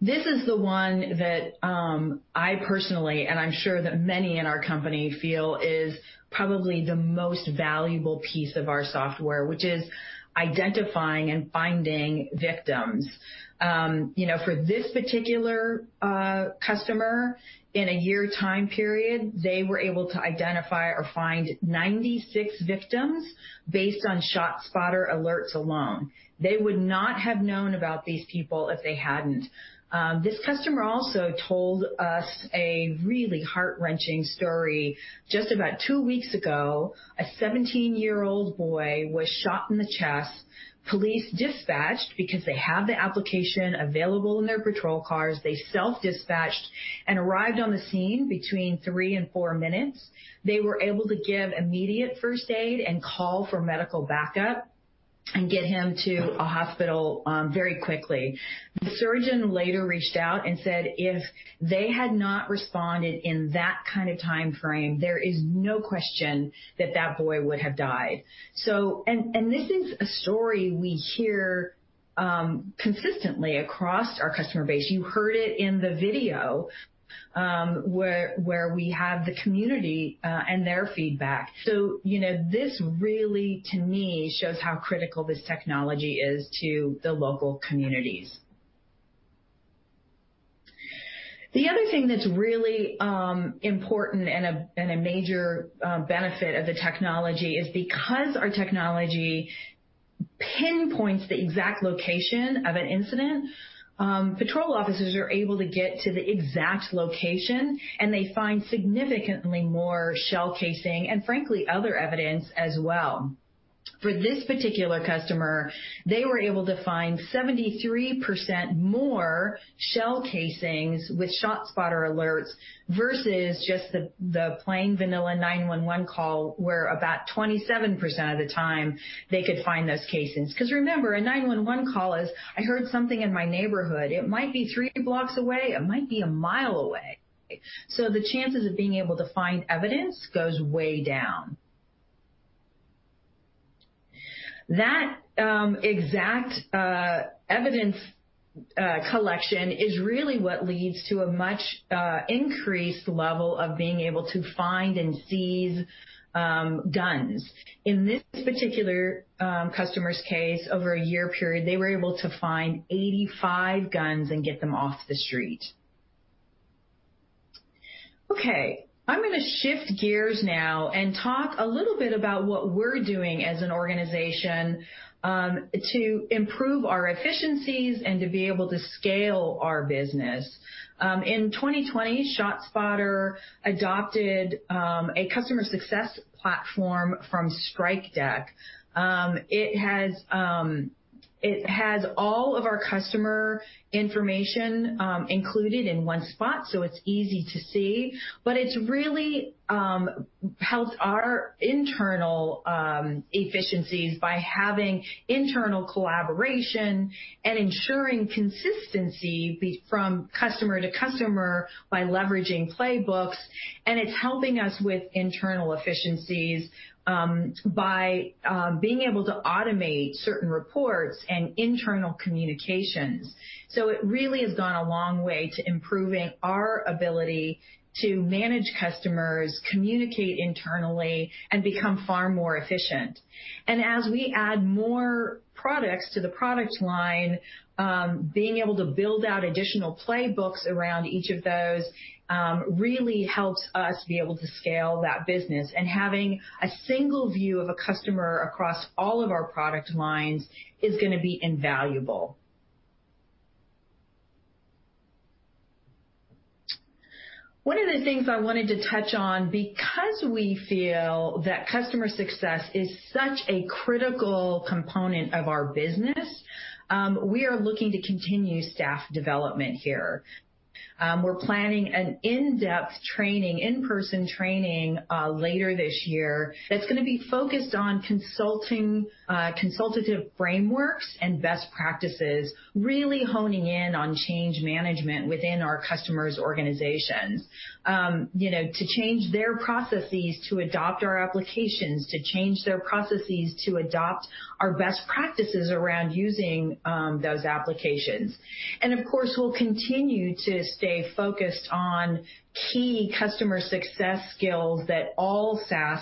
This is the one that I personally, and I'm sure that many in our company feel is probably the most valuable piece of our software, which is identifying and finding victims. For this particular customer in a year time period, they were able to identify or find 96 victims based on ShotSpotter alerts alone. They would not have known about these people if they hadn't. This customer also told us a really heart-wrenching story. Just about two weeks ago, a 17-year-old boy was shot in the chest. Police dispatched because they have the application available in their patrol cars. They self-dispatched and arrived on the scene between three and four minutes. They were able to give immediate first aid and call for medical backup, and get him to a hospital very quickly. The surgeon later reached out and said if they had not responded in that kind of timeframe, there is no question that that boy would have died. This is a story we hear consistently across our customer base. You heard it in the video, where we have the community, and their feedback. This really, to me, shows how critical this technology is to the local communities. The other thing that's really important and a major benefit of the technology is because our technology pinpoints the exact location of an incident, patrol officers are able to get to the exact location, and they find significantly more shell casing and frankly, other evidence as well. For this particular customer, they were able to find 73% more shell casings with ShotSpotter alerts versus just the plain vanilla 911 call, where about 27% of the time they could find those casings. Because remember, a 911 call is, "I heard something in my neighborhood." It might be three blocks away. It might be a mile away. So the chances of being able to find evidence goes way down. That exact evidence collection is really what leads to a much increased level of being able to find and seize guns. In this particular customer's case, over a year period, they were able to find 85 guns and get them off the street. Okay, I'm going to shift gears now and talk a little bit about what we're doing as an organization to improve our efficiencies and to be able to scale our business. In 2020, ShotSpotter adopted a customer success platform from Strikedeck. It has all of our customer information included in one spot, so it's easy to see. It's really helped our internal efficiencies by having internal collaboration and ensuring consistency from customer to customer by leveraging playbooks, and it's helping us with internal efficiencies by being able to automate certain reports and internal communications. It really has gone a long way to improving our ability to manage customers, communicate internally, and become far more efficient. As we add more products to the product line, being able to build out additional playbooks around each of those really helps us be able to scale that business, and having a single view of a customer across all of our product lines is going to be invaluable. One of the things I wanted to touch on, because we feel that customer success is such a critical component of our business, we are looking to continue staff development here. We're planning an in-depth training, in-person training, later this year, that's going to be focused on consultative frameworks and best practices, really honing in on change management within our customers' organizations to change their processes to adopt our applications, to change their processes to adopt our best practices around using those applications. Of course, we'll continue to stay focused on key customer success skills that all SaaS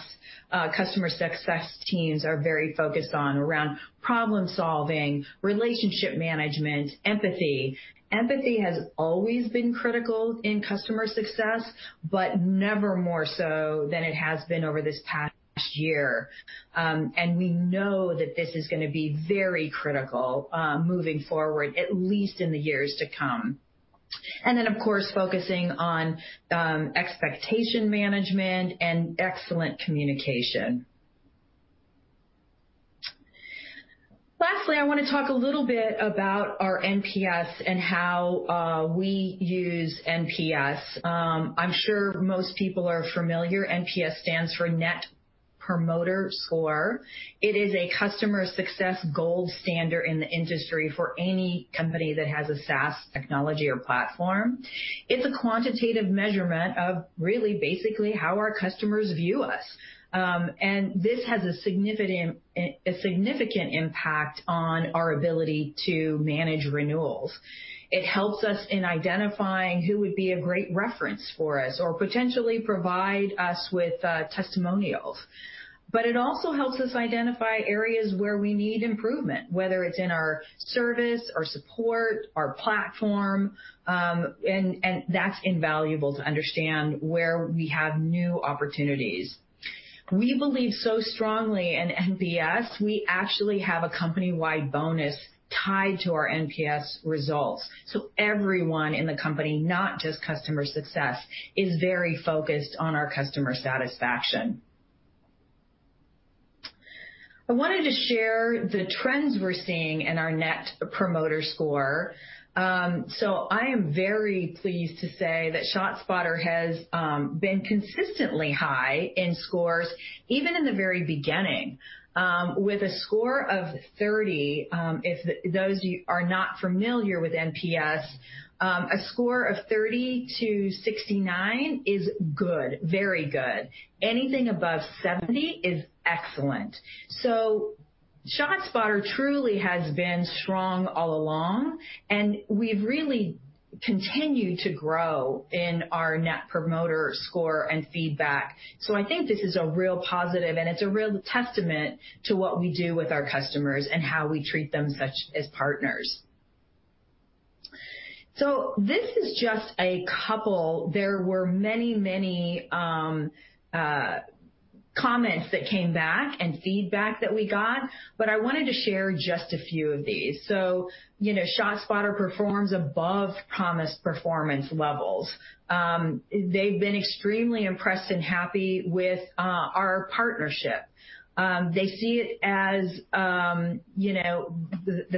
customer success teams are very focused on around problem-solving, relationship management, empathy. Empathy has always been critical in customer success, but never more so than it has been over this past year. We know that this is going to be very critical moving forward, at least in the years to come. Then, of course, focusing on expectation management and excellent communication. Lastly, I want to talk a little bit about our NPS and how we use NPS. I'm sure most people are familiar. NPS stands for Net Promoter Score. It is a customer success gold standard in the industry for any company that has a SaaS technology or platform. It's a quantitative measurement of really basically how our customers view us. This has a significant impact on our ability to manage renewals. It helps us in identifying who would be a great reference for us, or potentially provide us with testimonials. It also helps us identify areas where we need improvement, whether it's in our service, our support, our platform. That's invaluable to understand where we have new opportunities. We believe so strongly in NPS, we actually have a company-wide bonus tied to our NPS results. Everyone in the company, not just customer success, is very focused on our customer satisfaction. I wanted to share the trends we're seeing in our Net Promoter Score. I am very pleased to say that ShotSpotter has been consistently high in scores, even in the very beginning, with a score of 30. If those of you are not familiar with NPS, a score of 30-69 is good, very good. Anything above 70 is excellent. ShotSpotter truly has been strong all along, and we've really continued to grow in our Net Promoter Score and feedback. I think this is a real positive, and it's a real testament to what we do with our customers and how we treat them as partners. This is just a couple. There were many comments that came back and feedback that we got, but I wanted to share just a few of these. ShotSpotter performs above promised performance levels. They've been extremely impressed and happy with our partnership. They see it as the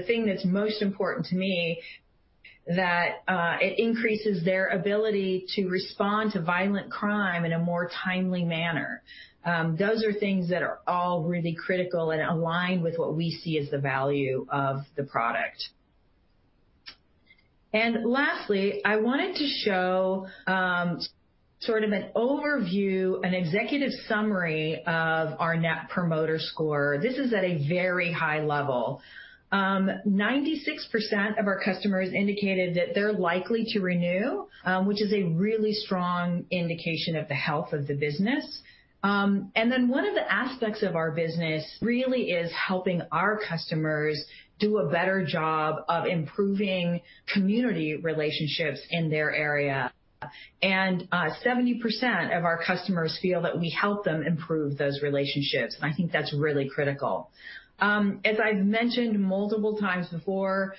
thing that's most important to me, that it increases their ability to respond to violent crime in a more timely manner. Those are things that are all really critical and align with what we see as the value of the product. Lastly, I wanted to show sort of an overview, an executive summary of our Net Promoter Score. This is at a very high level. 96% of our customers indicated that they're likely to renew, which is a really strong indication of the health of the business. One of the aspects of our business really is helping our customers do a better job of improving community relationships in their area. 70% of our customers feel that we help them improve those relationships, and I think that's really critical. As I've mentioned multiple times before,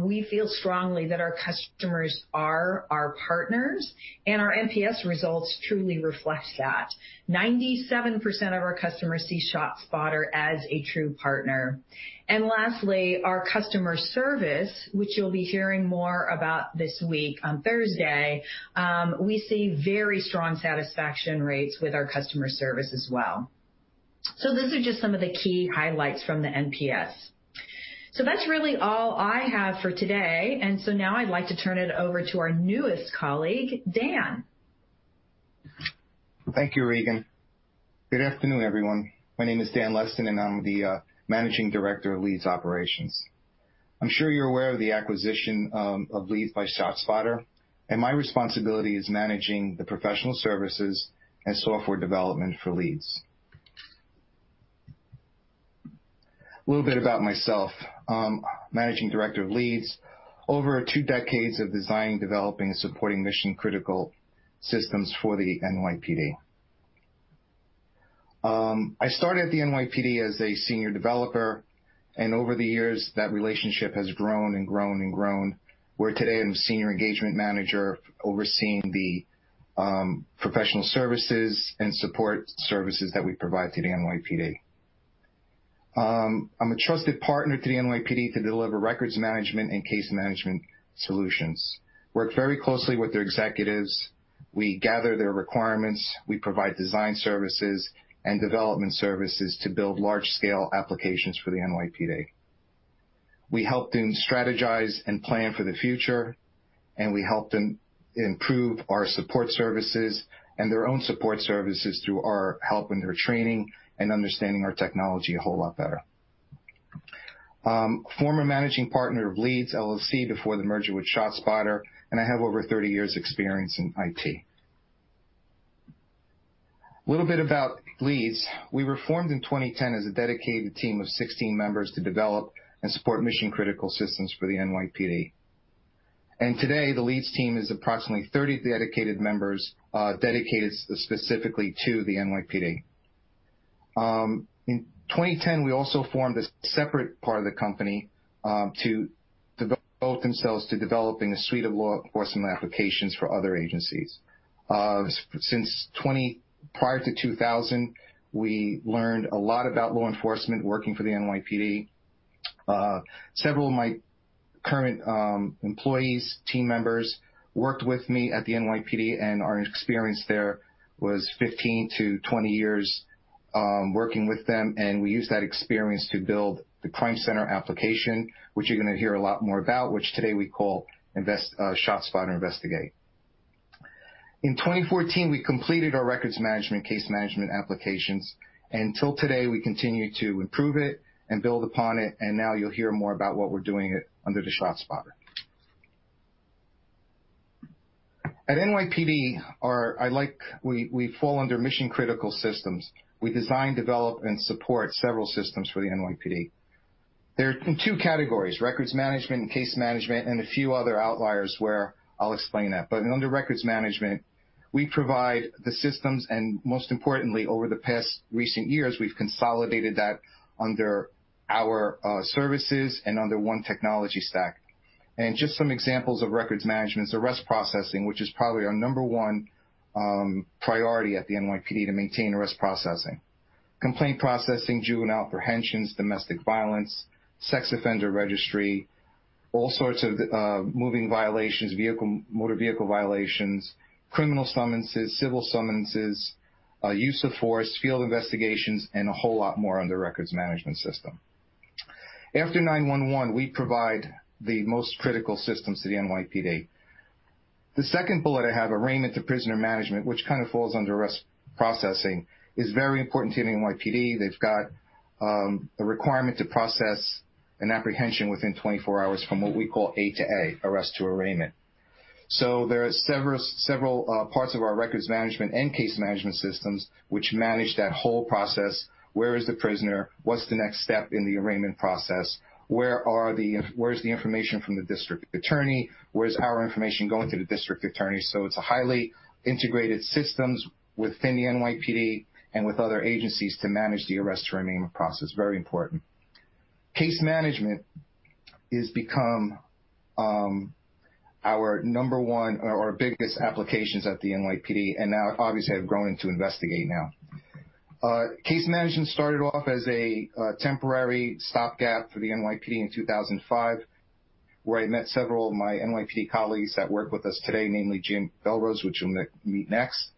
we feel strongly that our customers are our partners, and our NPS results truly reflect that. 97% of our customers see ShotSpotter as a true partner. Lastly, our customer service, which you'll be hearing more about this week on Thursday, we see very strong satisfaction rates with our customer service as well. Those are just some of the key highlights from the NPS. That's really all I have for today, and now I'd like to turn it over to our newest colleague, Dan. Thank you, Regan. Good afternoon, everyone. My name is Dan Leston, and I'm the managing director of Leeds Operations. I'm sure you're aware of the acquisition of Leeds by ShotSpotter, and my responsibility is managing the professional services and software development for Leeds. A little bit about myself. Managing director of Leeds. Over two decades of designing, developing, and supporting mission-critical systems for the NYPD. I started at the NYPD as a senior developer, and over the years, that relationship has grown and grown. Where today I'm senior engagement manager overseeing the professional services and support services that we provide to the NYPD. I'm a trusted partner to the NYPD to deliver records management and case management solutions. Work very closely with their executives. We gather their requirements. We provide design services and development services to build large-scale applications for the NYPD. We help them strategize and plan for the future, and we help them improve our support services and their own support services through our help and their training and understanding our technology a whole lot better. Former managing partner of LEEDS LLC before the merger with ShotSpotter, and I have over 30 years experience in IT. A little bit about LEEDS. We were formed in 2010 as a dedicated team of 16 members to develop and support mission-critical systems for the NYPD. Today, the LEEDS team is approximately 30 dedicated members, dedicated specifically to the NYPD. In 2010, we also formed a separate part of the company to devote themselves to developing a suite of law enforcement applications for other agencies. Prior to 2000, we learned a lot about law enforcement working for the NYPD. Several of my current employees, team members, worked with me at the NYPD, and our experience there was 15-20 years, working with them, and we used that experience to build the CrimeCenter application, which you're going to hear a lot more about, which today we call ShotSpotter Investigate. In 2014, we completed our records management, case management applications, and till today, we continue to improve it and build upon it, and now you'll hear more about what we're doing under the ShotSpotter. At NYPD, we fall under mission-critical systems. We design, develop, and support several systems for the NYPD. They're in two categories, records management and case management, and a few other outliers where I'll explain that. Under records management, we provide the systems, and most importantly, over the past recent years, we've consolidated that under our services and under one technology stack. Just some examples of records management is arrest processing, which is probably our number one priority at the NYPD to maintain arrest processing. Complaint processing, juvenile apprehensions, domestic violence, sex offender registry, all sorts of moving violations, motor vehicle violations, criminal summonses, civil summonses, use of force, field investigations, and a whole lot more under records management system. After 9/11, we provide the most critical systems to the NYPD. The second bullet I have, arraignment to prisoner management, which kind of falls under arrest processing, is very important to the NYPD. They've got the requirement to process an apprehension within 24 hours from what we call A to A, arrest to arraignment. There are several parts of our records management and case management systems which manage that whole process. Where is the prisoner? What's the next step in the arraignment process? Where's the information from the district attorney? Where's our information going to the district attorney? It's a highly integrated systems within the NYPD and with other agencies to manage the arrest to arraignment process. Very important. Case management is become our number one or biggest applications at the NYPD, and now obviously have grown into ShotSpotter Investigate. Case management started off as a temporary stopgap for the NYPD in 2005, where I met several of my NYPD colleagues that work with us today, namely Jim Belrose, which you'll meet next.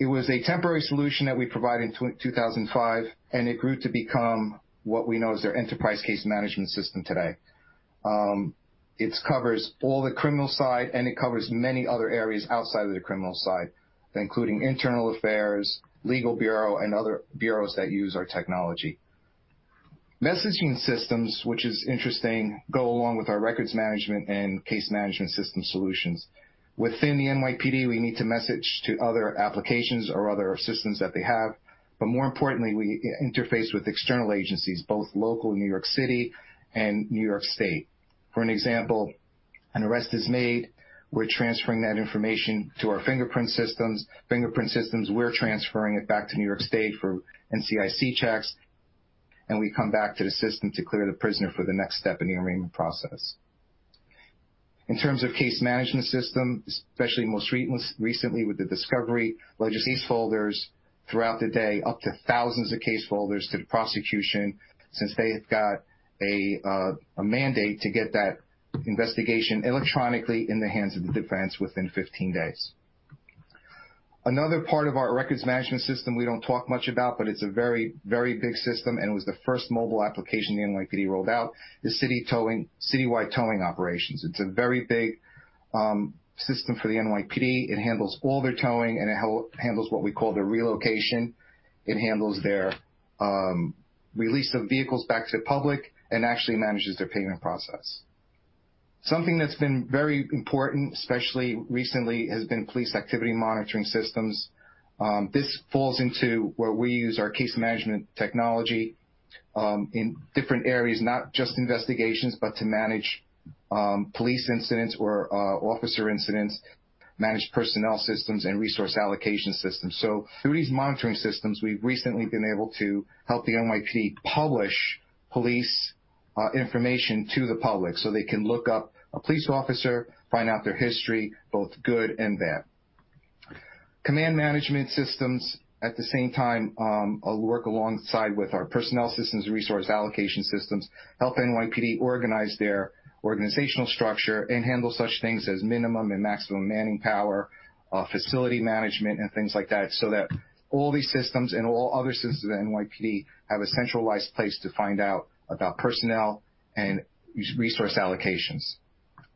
It was a temporary solution that we provided in 2005, and it grew to become what we know as their enterprise case management system today. It covers all the criminal side, and it covers many other areas outside of the criminal side, including internal affairs, legal bureau, and other bureaus that use our technology. Messaging systems, which is interesting, go along with our records management and case management system solutions. Within the NYPD, we need to message to other applications or other systems that they have. More importantly, we interface with external agencies, both local New York City and New York State. For example, an arrest is made. We're transferring that information to our fingerprint systems. We're transferring it back to New York State for NCIC checks. We come back to the system to clear the prisoner for the next step in the arraignment process. In terms of case management system, especially most recently with the discovery legislation folders throughout the day, up to thousands of case folders to the prosecution since they have got a mandate to get that investigation electronically in the hands of the defense within 15 days. Another part of our records management system we don't talk much about, but it's a very big system, and it was the first mobile application the NYPD rolled out, is citywide towing operations. It's a very big system for the NYPD. It handles all their towing, and it handles what we call the relocation. It handles their release of vehicles back to the public and actually manages their payment process. Something that's been very important, especially recently, has been police activity monitoring systems. This falls into where we use our case management technology, in different areas, not just investigations, but to manage police incidents or officer incidents, manage personnel systems, and resource allocation systems. Through these monitoring systems, we've recently been able to help the NYPD publish police information to the public so they can look up a police officer, find out their history, both good and bad. Command management systems at the same time work alongside with our personnel systems, resource allocation systems, help NYPD organize their organizational structure, and handle such things as minimum and maximum manning power, facility management and things like that, so that all these systems and all other systems of the NYPD have a centralized place to find out about personnel and resource allocations.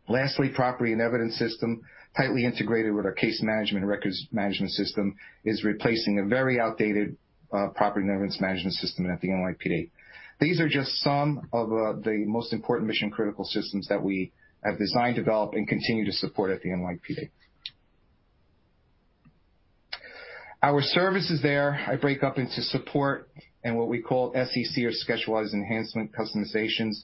Lastly, property and evidence system, tightly integrated with our case management records management system, is replacing a very outdated property and evidence management system at the NYPD. These are just some of the most important mission-critical systems that we have designed, developed, and continue to support at the NYPD. Our services there, I break up into support and what we call SEC or Scheduled enhancement and customizations.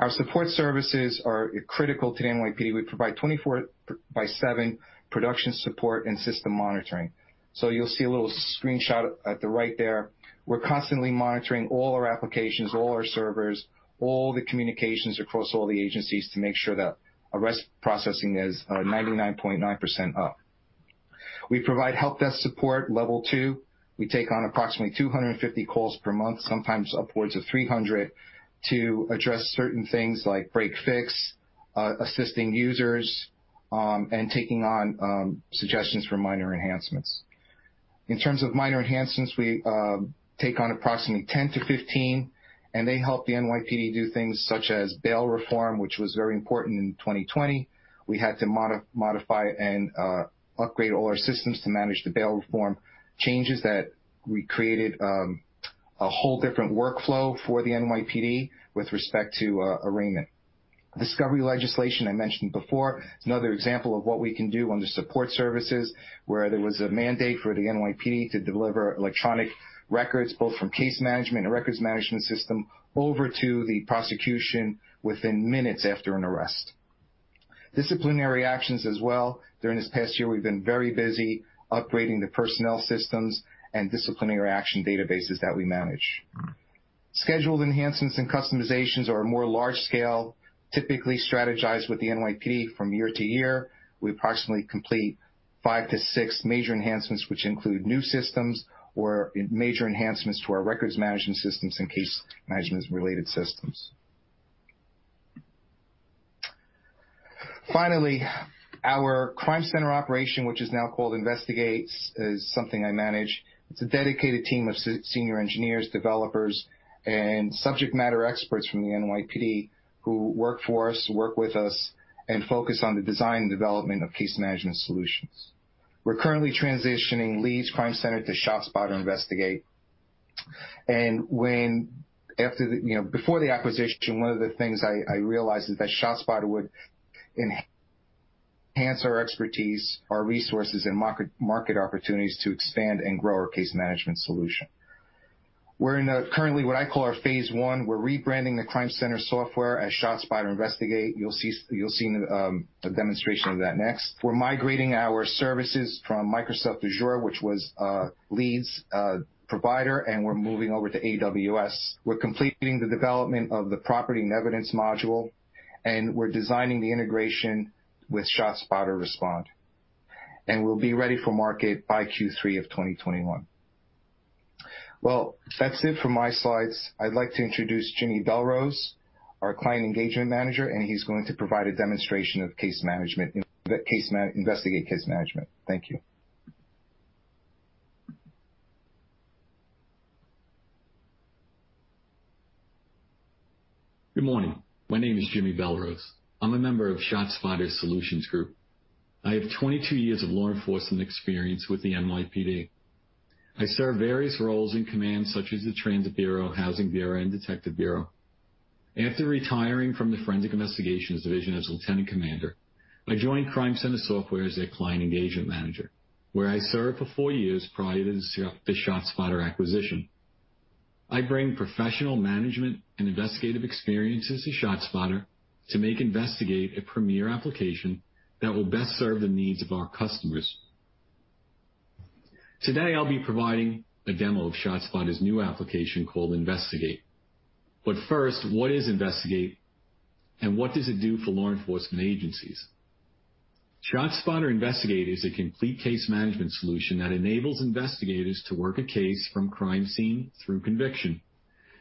Our support services are critical to the NYPD. We provide 24 by 7 production support and system monitoring. You'll see a little screenshot at the right there. We're constantly monitoring all our applications, all our servers, all the communications across all the agencies to make sure that arrest processing is 99.9% up. We provide help desk support level two. We take on approximately 250 calls per month, sometimes upwards of 300, to address certain things like break fix, assisting users, and taking on suggestions for minor enhancements. In terms of minor enhancements, we take on approximately 10-15, and they help the NYPD do things such as bail reform, which was very important in 2020. We had to modify and upgrade all our systems to manage the bail reform changes that we created a whole different workflow for the NYPD with respect to arraignment, discovery legislation I mentioned before. It's another example of what we can do on the support services, where there was a mandate for the NYPD to deliver electronic records, both from case management and records management system, over to the prosecution within minutes after an arrest. Disciplinary actions as well. During this past year, we've been very busy upgrading the personnel systems and disciplinary action databases that we manage. Scheduled enhancements and customizations are more large scale, typically strategized with the NYPD from year to year. We approximately complete 5-6 major enhancements, which include new systems or major enhancements to our records management systems and case management related systems. Finally, our Crime Center operation, which is now called Investigate, is something I manage. It's a dedicated team of senior engineers, developers, and subject matter experts from the NYPD who work for us, work with us, and focus on the design and development of case management solutions. We're currently transitioning LEEDS CrimeCenter to ShotSpotter Investigate. Before the acquisition, one of the things I realized is that ShotSpotter would enhance our expertise, our resources, and market opportunities to expand and grow our case management solution. We're currently in what I call our phase one. We're rebranding the CrimeCenter software as ShotSpotter Investigate. You'll see a demonstration of that next. We're migrating our services from Microsoft Azure, which was LEEDS provider, and we're moving over to AWS. We're completing the development of the property and evidence module, and we're designing the integration with ShotSpotter Respond. We'll be ready for market by Q3 of 2021. Well, that's it for my slides. I'd like to introduce Jimmy Belrose, our client engagement manager, and he's going to provide a demonstration of Investigate case management. Thank you. Good morning. My name is Jimmy Belrose. I'm a member of ShotSpotter Solutions Group. I have 22 years of law enforcement experience with the NYPD. I served various roles in command, such as the Transit Bureau, Housing Bureau, and Detective Bureau. After retiring from the Forensic Investigations Division as Lieutenant Commander, I joined CrimeCenter Software as their client engagement manager, where I served for four years prior to the ShotSpotter acquisition. I bring professional management and investigative experience as a ShotSpotter to make Investigate a premier application that will best serve the needs of our customers. Today, I'll be providing a demo of ShotSpotter's new application called Investigate. First, what is Investigate and what does it do for law enforcement agencies? ShotSpotter Investigate is a complete case management solution that enables investigators to work a case from crime scene through conviction.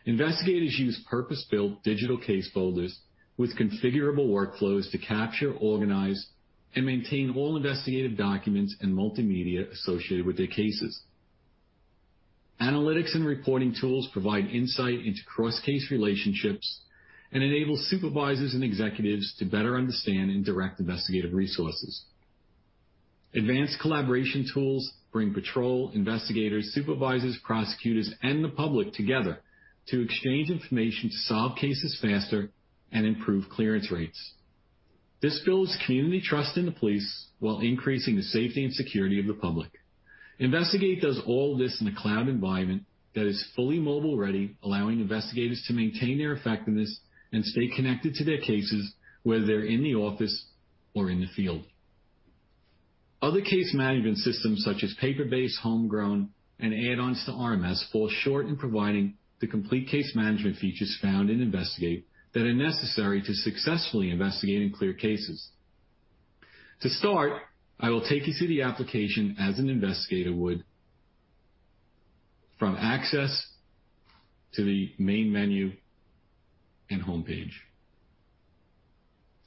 Investigators use purpose-built digital case folders with configurable workflows to capture, organize, and maintain all investigative documents and multimedia associated with their cases. Analytics and reporting tools provide insight into cross-case relationships and enable supervisors and executives to better understand and direct investigative resources. Advanced collaboration tools bring patrol, investigators, supervisors, prosecutors, and the public together to exchange information to solve cases faster and improve clearance rates. This builds community trust in the police while increasing the safety and security of the public. Investigate does all this in a cloud environment that is fully mobile-ready, allowing investigators to maintain their effectiveness and stay connected to their cases, whether they're in the office or in the field. Other case management systems such as paper-based, homegrown, and add-ons to RMS fall short in providing the complete case management features found in Investigate that are necessary to successfully investigate and clear cases. To start, I will take you through the application as an investigator would, from access to the main menu and homepage.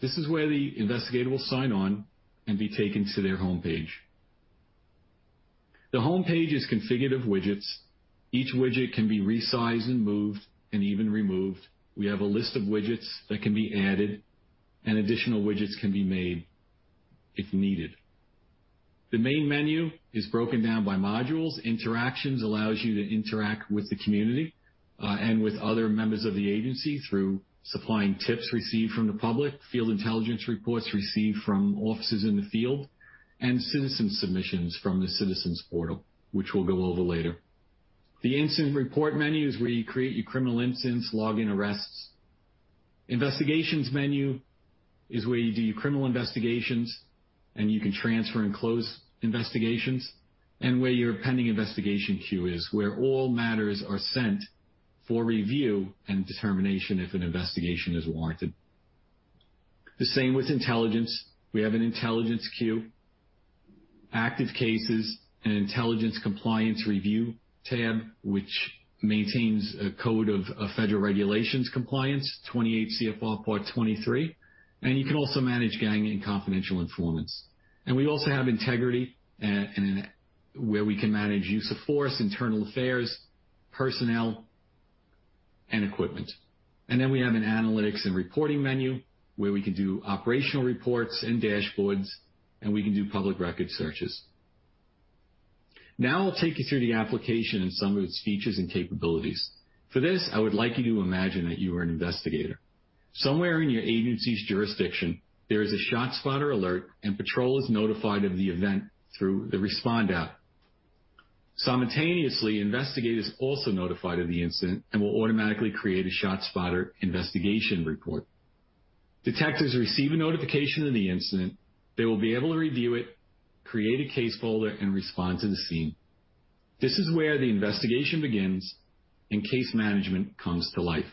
This is where the investigator will sign on and be taken to their homepage. The homepage consists of widgets. Each widget can be resized and moved, and even removed. We have a list of widgets that can be added, and additional widgets can be made if needed. The main menu is broken down by modules. Interactions allows you to interact with the community, and with other members of the agency through supplying tips received from the public, field intelligence reports received from officers in the field, and citizen submissions from the citizens portal, which we'll go over later. The incident report menu is where you create your criminal incidents, log arrests. Investigations menu is where you do your criminal investigations, and you can transfer and close investigations, and where your pending investigation queue is, where all matters are sent for review and determination if an investigation is warranted. The same with intelligence. We have an intelligence queue, active cases, an intelligence compliance review tab, which maintains a Code of Federal Regulations compliance 28 CFR Part 23, and you can also manage gang and confidential informants. We also have integrity, where we can manage use of force, internal affairs, personnel, and equipment. We have an analytics and reporting menu where we can do operational reports and dashboards, and we can do public record searches. Now I'll take you through the application and some of its features and capabilities. For this, I would like you to imagine that you are an investigator. Somewhere in your agency's jurisdiction, there is a ShotSpotter alert, and patrol is notified of the event through the Respond app. Simultaneously, investigators are also notified of the incident and will automatically create a ShotSpotter investigation report. Detectives receive a notification of the incident. They will be able to review it, create a case folder, and respond to the scene. This is where the investigation begins and case management comes to life.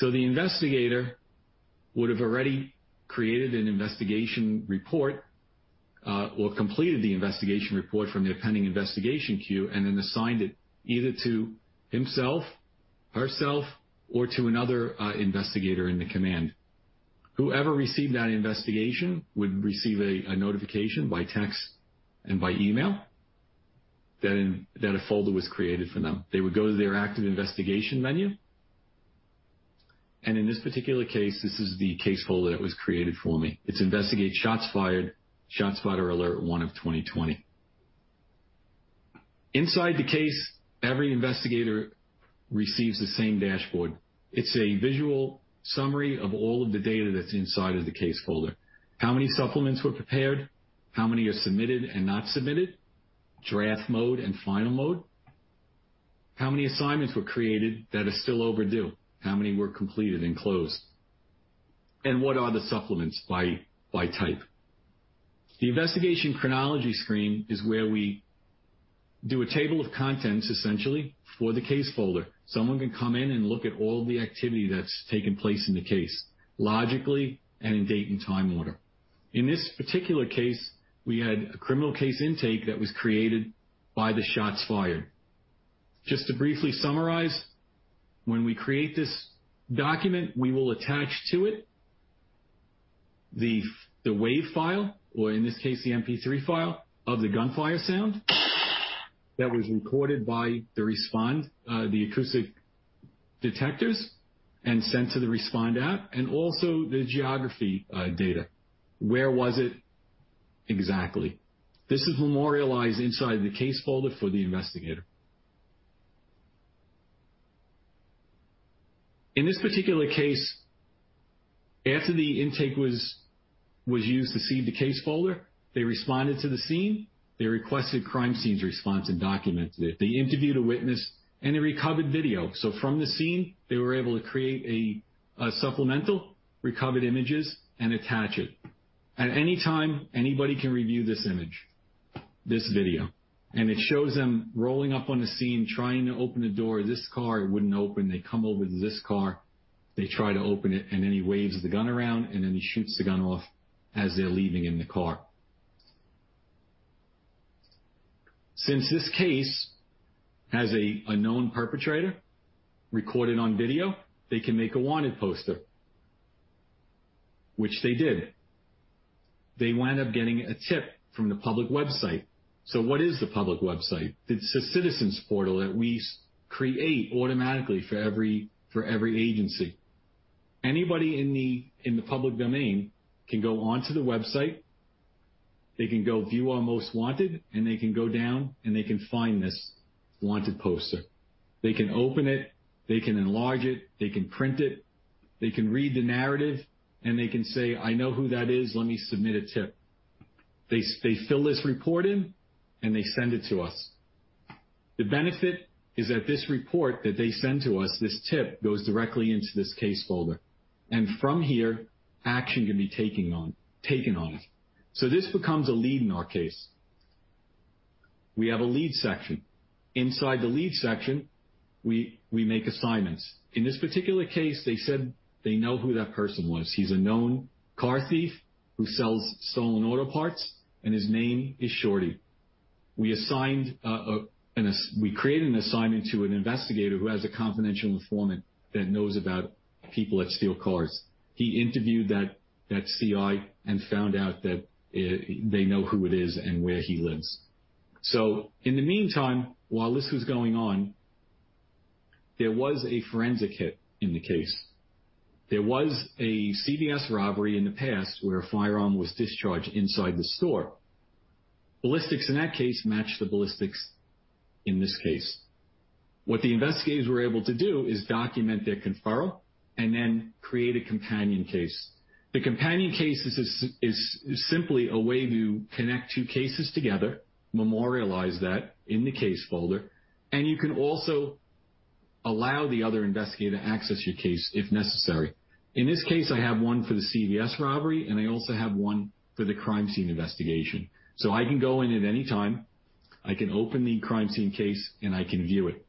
The investigator would have already created an investigation report, or completed the investigation report from their pending investigation queue, and then assigned it either to himself, herself, or to another investigator in the command. Whoever received that investigation would receive a notification by text and by email that a folder was created for them. They would go to their active investigation menu. In this particular case, this is the case folder that was created for me. It's ShotSpotter Investigate: Shots Fired, ShotSpotter Alert, one of 2020. Inside the case, every investigator receives the same dashboard. It's a visual summary of all of the data that's inside of the case folder. How many supplements were prepared, how many are submitted and not submitted, draft mode and final mode. How many assignments were created that are still overdue? How many were completed and closed? What are the supplements by type? The investigation chronology screen is where we do a table of contents, essentially, for the case folder. Someone can come in and look at all the activity that's taken place in the case, logically and in date and time order. In this particular case, we had a criminal case intake that was created by the shots fired. Just to briefly summarize, when we create this document, we will attach to it the wave file, or in this case, the MP3 file of the gunfire sound that was recorded by the Respond, the acoustic detectors, and sent to the Respond app. Also the geography data. Where was it exactly? This is memorialized inside the case folder for the investigator. In this particular case, after the intake was used to seed the case folder, they responded to the scene, they requested crime scene's response and documented it. They interviewed a witness, and they recovered video. From the scene, they were able to create a supplemental, recovered images, and attach it. At any time, anybody can review this image, this video, and it shows him rolling up on the scene, trying to open the door. This car wouldn't open. They come over to this car, they try to open it, and then he waves the gun around, and then he shoots the gun off as they're leaving in the car. Since this case has a known perpetrator recorded on video, they can make a wanted poster, which they did. They wind up getting a tip from the public website. What is the public website? It's a citizens portal that we create automatically for every agency. Anybody in the public domain can go onto the website, they can go view our most wanted, and they can go down and they can find this wanted poster. They can open it, they can enlarge it, they can print it, they can read the narrative, and they can say, I know who that is. Let me submit a tip. They fill this report in, and they send it to us. The benefit is that this report that they send to us, this tip, goes directly into this case folder. From here, action can be taken on it. This becomes a lead in our case. We have a lead section. Inside the lead section, we make assignments. In this particular case, they said they know who that person was. He's a known car thief who sells stolen auto parts, and his name is Shorty. We created an assignment to an investigator who has a confidential informant that knows about people that steal cars. He interviewed that CI and found out that they know who it is and where he lives. In the meantime, while this was going on, there was a forensic hit in the case. There was a CVS robbery in the past where a firearm was discharged inside the store. Ballistics in that case matched the ballistics in this case. What the investigators were able to do is document their conferral and then create a companion case. The companion case is simply a way to connect two cases together, memorialize that in the case folder, and you can also allow the other investigator to access your case if necessary. In this case, I have one for the CVS robbery, and I also have one for the crime scene investigation. I can go in at any time. I can open the crime scene case, and I can view it.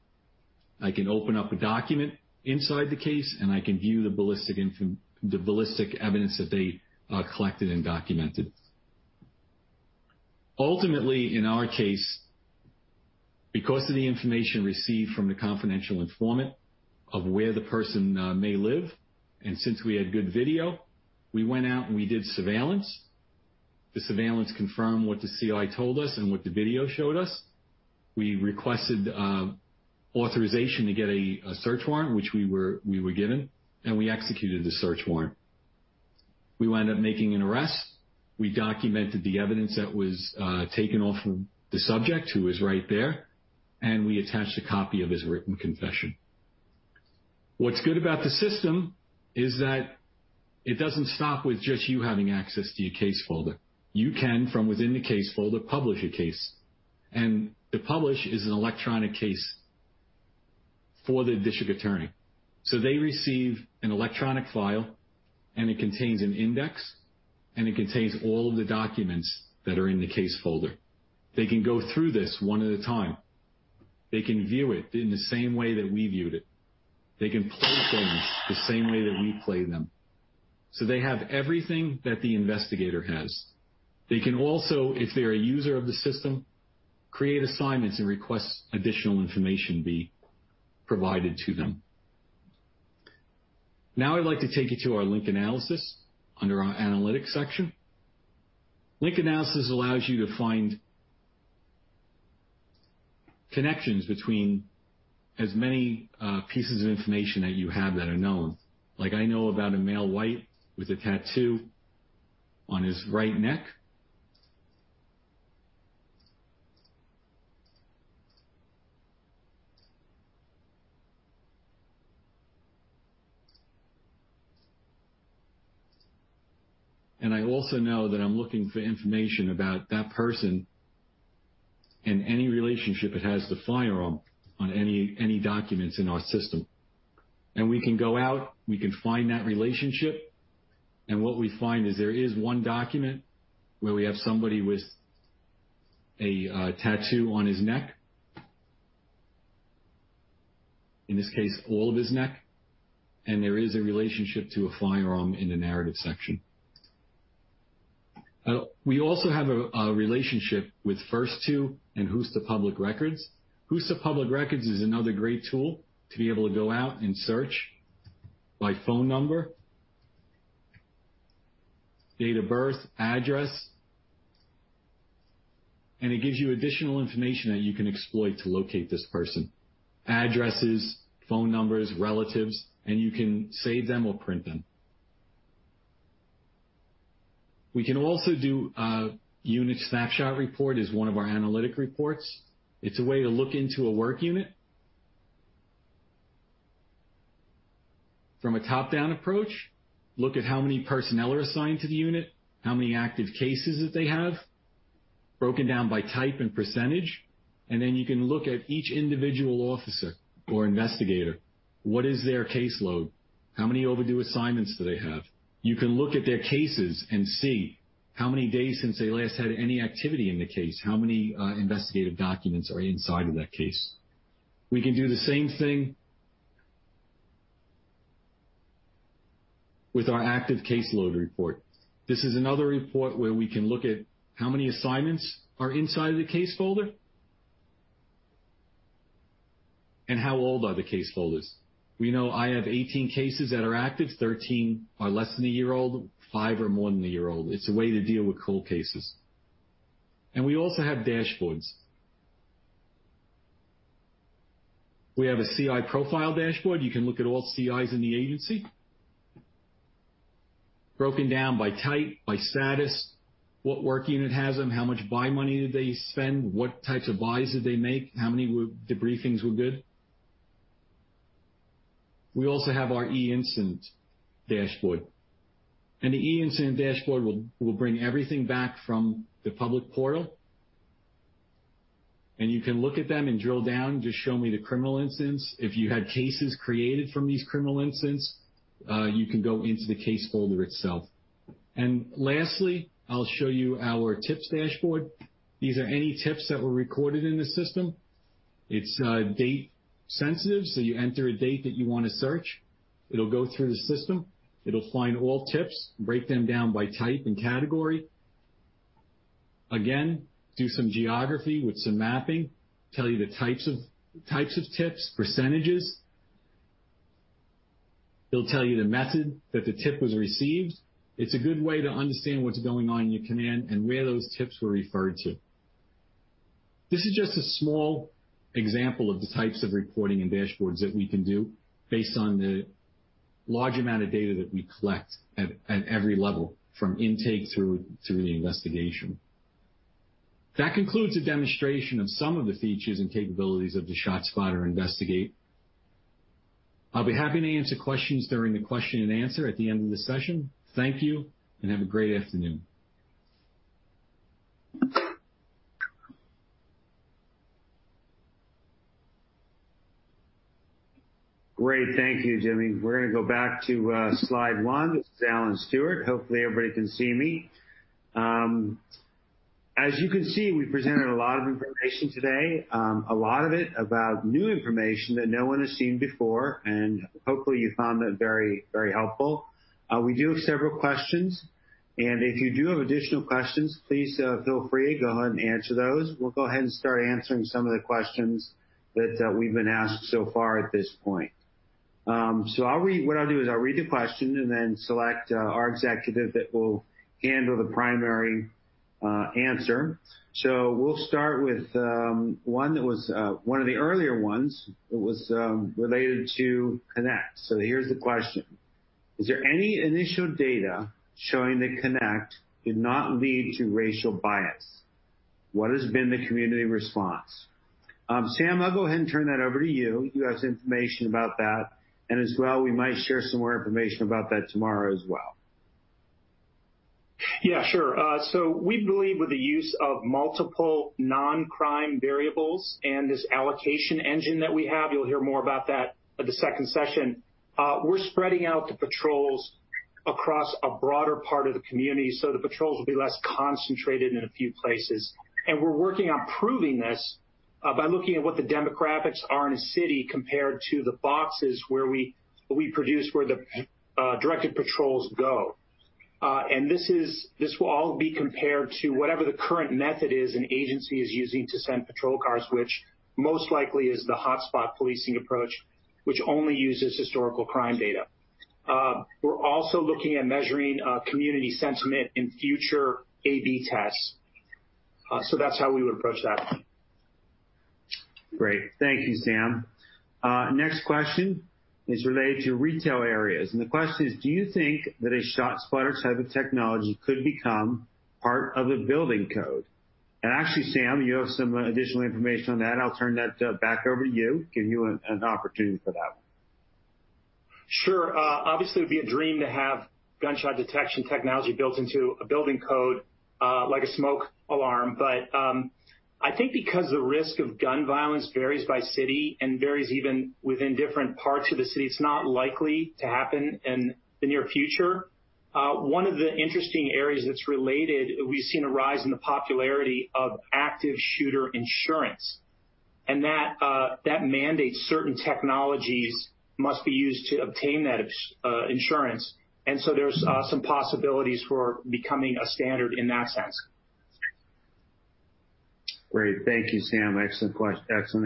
I can open up a document inside the case, and I can view the ballistic evidence that they collected and documented. Ultimately, in our case, because of the information received from the confidential informant of where the person may live, and since we had good video, we went out and we did surveillance. The surveillance confirmed what the CI told us and what the video showed us. We requested authorization to get a search warrant, which we were given, and we executed the search warrant. We wind up making an arrest. We documented the evidence that was taken off of the subject, who was right there, and we attached a copy of his written confession. What's good about the system is that it doesn't stop with just you having access to your case folder. You can, from within the case folder, publish a case. The publish is an electronic case for the district attorney. They receive an electronic file, and it contains an index, and it contains all of the documents that are in the case folder. They can go through this one at a time. They can view it in the same way that we viewed it. They can play things the same way that we play them. They have everything that the investigator has. They can also, if they're a user of the system, create assignments and request additional information be provided to them. Now I'd like to take you to our link analysis under our analytics section. Link analysis allows you to find connections between as many pieces of information that you have that are known. Like I know about a male white with a tattoo on his right neck. I also know that I'm looking for information about that person and any relationship it has to a firearm on any documents in our system. We can go out, we can find that relationship, and what we find is there is one document where we have somebody with a tattoo on his neck. In this case, all of his neck, and there is a relationship to a firearm in the narrative section. We also have a relationship with FirstTwo and HUSTA Public Records. Whooster Public Records is another great tool to be able to go out and search by phone number, date of birth, address, and it gives you additional information that you can exploit to locate this person, addresses, phone numbers, relatives, and you can save them or print them. We can also do a unit snapshot report as one of our analytic reports. It's a way to look into a work unit from a top-down approach, look at how many personnel are assigned to the unit, how many active cases that they have, broken down by type and percentage, and then you can look at each individual officer or investigator. What is their caseload? How many overdue assignments do they have? You can look at their cases and see how many days since they last had any activity in the case. How many investigative documents are inside of that case? We can do the same thing with our active caseload report. This is another report where we can look at how many assignments are inside of the case folder and how old are the case folders. We know I have 18 cases that are active. 13 are less than a year old, five are more than a year old. It's a way to deal with cold cases. We also have dashboards. We have a CI profile dashboard. You can look at all CIs in the agency, broken down by type, by status, what work unit has them, how much buy money did they spend, what types of buys did they make, how many debriefings were good. We also have our eIncidents dashboard. The eIncidents dashboard will bring everything back from the public portal, and you can look at them and drill down, just show me the criminal incidents. If you had cases created from these criminal incidents, you can go into the case folder itself. Lastly, I'll show you our tips dashboard. These are any tips that were recorded in the system. It's date sensitive, so you enter a date that you want to search. It'll go through the system. It'll find all tips, break them down by type and category. Again, do some geography with some mapping, tell you the types of tips, percentages. It'll tell you the method that the tip was received. It's a good way to understand what's going on in your command and where those tips were referred to. This is just a small example of the types of reporting and dashboards that we can do based on the large amount of data that we collect at every level, from intake through to the investigation. That concludes a demonstration of some of the features and capabilities of the ShotSpotter Investigate. I'll be happy to answer questions during the question and answer at the end of the session. Thank you, and have a great afternoon. Great. Thank you, Jimmy. We're going to go back to slide one. This is Alan Stewart. Hopefully, everybody can see me. As you can see, we presented a lot of information today. A lot of it about new information that no one has seen before, and hopefully you found that very helpful. We do have several questions, and if you do have additional questions, please feel free to go ahead and answer those. We'll go ahead and start answering some of the questions that we've been asked so far at this point. What I'll do is I'll read the question and then select our executive that will handle the primary answer. We'll start with one of the earlier ones. It was related to Connect. Here's the question. Is there any initial data showing that Connect did not lead to racial bias? What has been the community response? Sam, I'll go ahead and turn that over to you. You have some information about that. As well, we might share some more information about that tomorrow as well. Yeah, sure. We believe with the use of multiple non-crime variables and this allocation engine that we have, you'll hear more about that at the second session, we're spreading out the patrols across a broader part of the community, so the patrols will be less concentrated in a few places. We're working on proving this by looking at what the demographics are in a city compared to the boxes where we produce, where the directed patrols go. This will all be compared to whatever the current method is that an agency is using to send patrol cars, which most likely is the hot spots policing approach, which only uses historical crime data. We're also looking at measuring community sentiment in future A/B tests. That's how we would approach that one. Great. Thank you, Sam. Next question is related to retail areas, and the question is: Do you think that a ShotSpotter type of technology could become part of a building code? Actually, Sam, you have some additional information on that. I'll turn that back over to you, give you an opportunity for that one. Sure. Obviously, it would be a dream to have gunshot detection technology built into a building code, like a smoke alarm. I think because the risk of gun violence varies by city and varies even within different parts of the city, it's not likely to happen in the near future. One of the interesting areas that's related, we've seen a rise in the popularity of active shooter insurance, and that mandates certain technologies must be used to obtain that insurance. There's some possibilities for becoming a standard in that sense. Great. Thank you, Sam. Excellent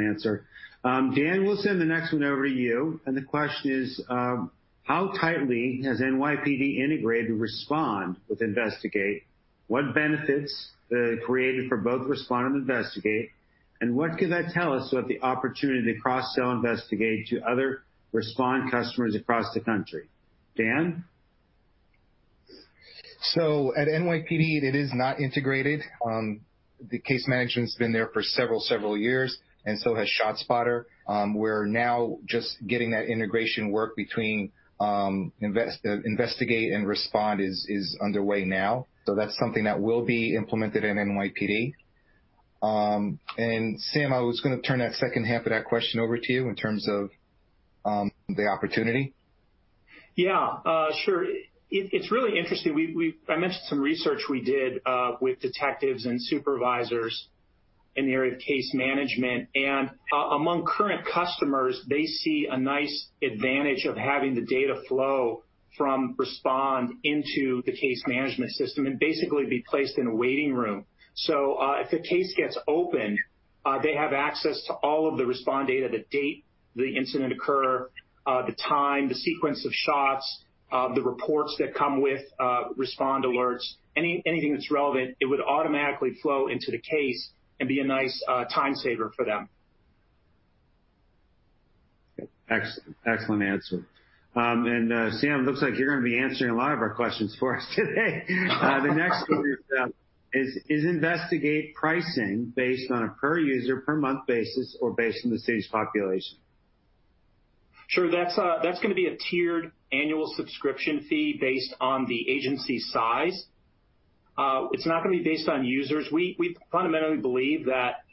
answer. Dan, we'll send the next one over to you. The question is: How tightly has NYPD integrated Respond with Investigate? What benefits are created for both Respond and Investigate? And what could that tell us about the opportunity to cross-sell Investigate to other Respond customers across the country? Dan? At NYPD, it is not integrated. The case management's been there for several years, and so has ShotSpotter. We're now just getting that integration work between Investigate and Respond is underway now. That's something that will be implemented in NYPD. Sam, I was going to turn that second half of that question over to you in terms of the opportunity. Yeah, sure. It's really interesting. I mentioned some research we did with detectives and supervisors in the area of case management. Among current customers, they see a nice advantage of having the data flow from Respond into the case management system, and basically be placed in a waiting room. If a case gets opened, they have access to all of the Respond data, the date the incident occur, the time, the sequence of shots, the reports that come with Respond alerts, anything that's relevant, it would automatically flow into the case and be a nice time saver for them. Excellent answer. Sam, looks like you're going to be answering a lot of our questions for us today. The next one is: Is Investigate pricing based on a per user per month basis or based on the city's population? Sure. That's going to be a tiered annual subscription fee based on the agency size. It's not going to be based on users. We fundamentally believe that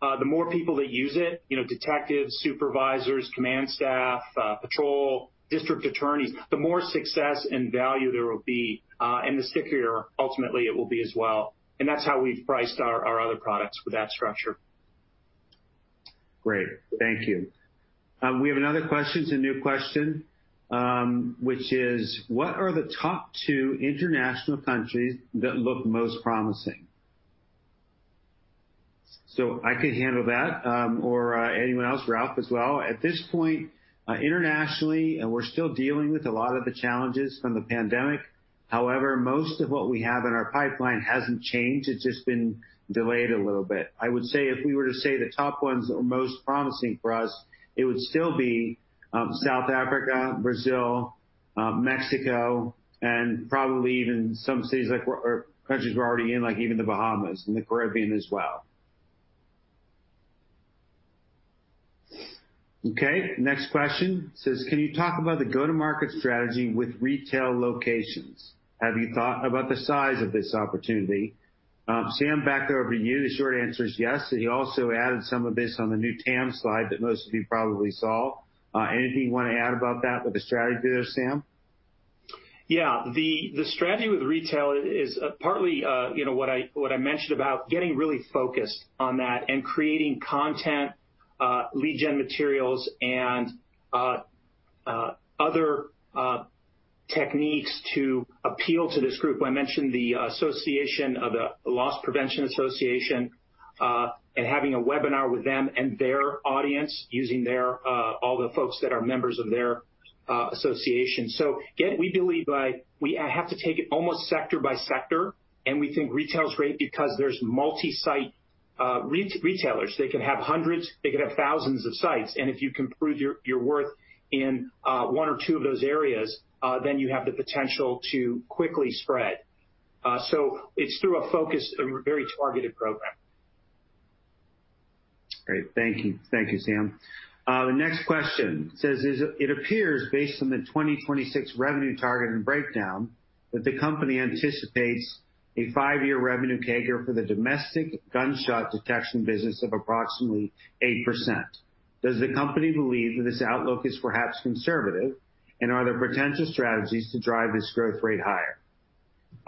the more people that use it, detectives, supervisors, command staff, patrol, district attorneys, the more success and value there will be, and the stickier, ultimately, it will be as well. That's how we've priced our other products with that structure. Great. Thank you. We have another question. It's a new question, which is: What are the top two international countries that look most promising? I could handle that, or anyone else, Rob as well. At this point, internationally, we're still dealing with a lot of the challenges from the pandemic. However, most of what we have in our pipeline hasn't changed. It's just been delayed a little bit. I would say if we were to say the top ones that were most promising for us, it would still be South Africa, Brazil, Mexico, and probably even some countries we're already in, like even The Bahamas and the Caribbean as well. Okay. Next question says: Can you talk about the go-to-market strategy with retail locations? Have you thought about the size of this opportunity? Sam, back over to you. The short answer is yes, and you also added some of this on the new TAM slide that most of you probably saw. Anything you want to add about that, with the strategy there, Sam? Yeah. The strategy with retail is partly what I mentioned about getting really focused on that and creating content, lead gen materials, and other techniques to appeal to this group. I mentioned the Loss Prevention Foundation and having a webinar with them and their audience using all the folks that are members of their association. We believe we have to take it almost sector by sector, and we think retail is great because there's multi-site retailers. They could have hundreds, they could have thousands of sites. If you can prove your worth in one or two of those areas, then you have the potential to quickly spread. It's through a focused and very targeted program. Great. Thank you, Sam. The next question. It says, It appears based on the 2026 revenue target and breakdown, that the company anticipates a five-year revenue CAGR for the domestic gunshot detection business of approximately 8%. Does the company believe that this outlook is perhaps conservative, and are there potential strategies to drive this growth rate higher?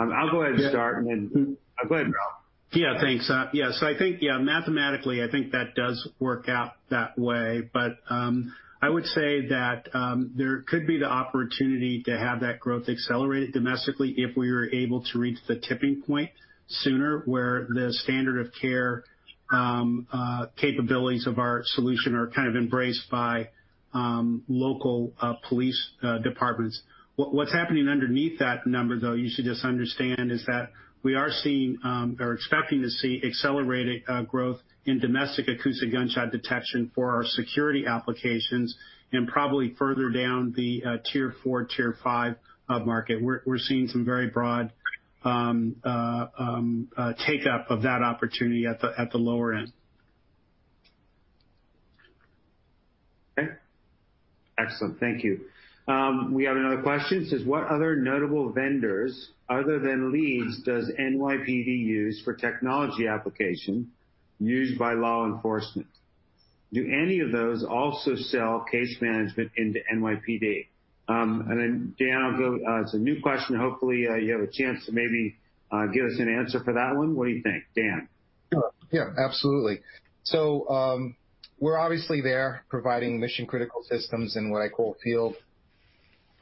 I'll go ahead and start, and then. Go ahead, Ralph. Yeah, thanks. I think, yeah, mathematically, I think that does work out that way. I would say that there could be the opportunity to have that growth accelerated domestically if we are able to reach the tipping point sooner, where the standard of care capabilities of our solution are kind of embraced by local police departments. What's happening underneath that number, though, you should just understand, is that we are seeing or expecting to see accelerated growth in domestic acoustic gunshot detection for our security applications and probably further down the tier four, tier five market. We're seeing some very broad take-up of that opportunity at the lower end. Okay. Excellent. Thank you. We have another question. It says, What other notable vendors other than LEEDS does NYPD use for technology application used by law enforcement? Do any of those also sell case management into NYPD? Then Dan, it's a new question. Hopefully, you have a chance to maybe give us an answer for that one. What do you think, Dan? Yeah, absolutely. We're obviously there providing mission-critical systems and what I call field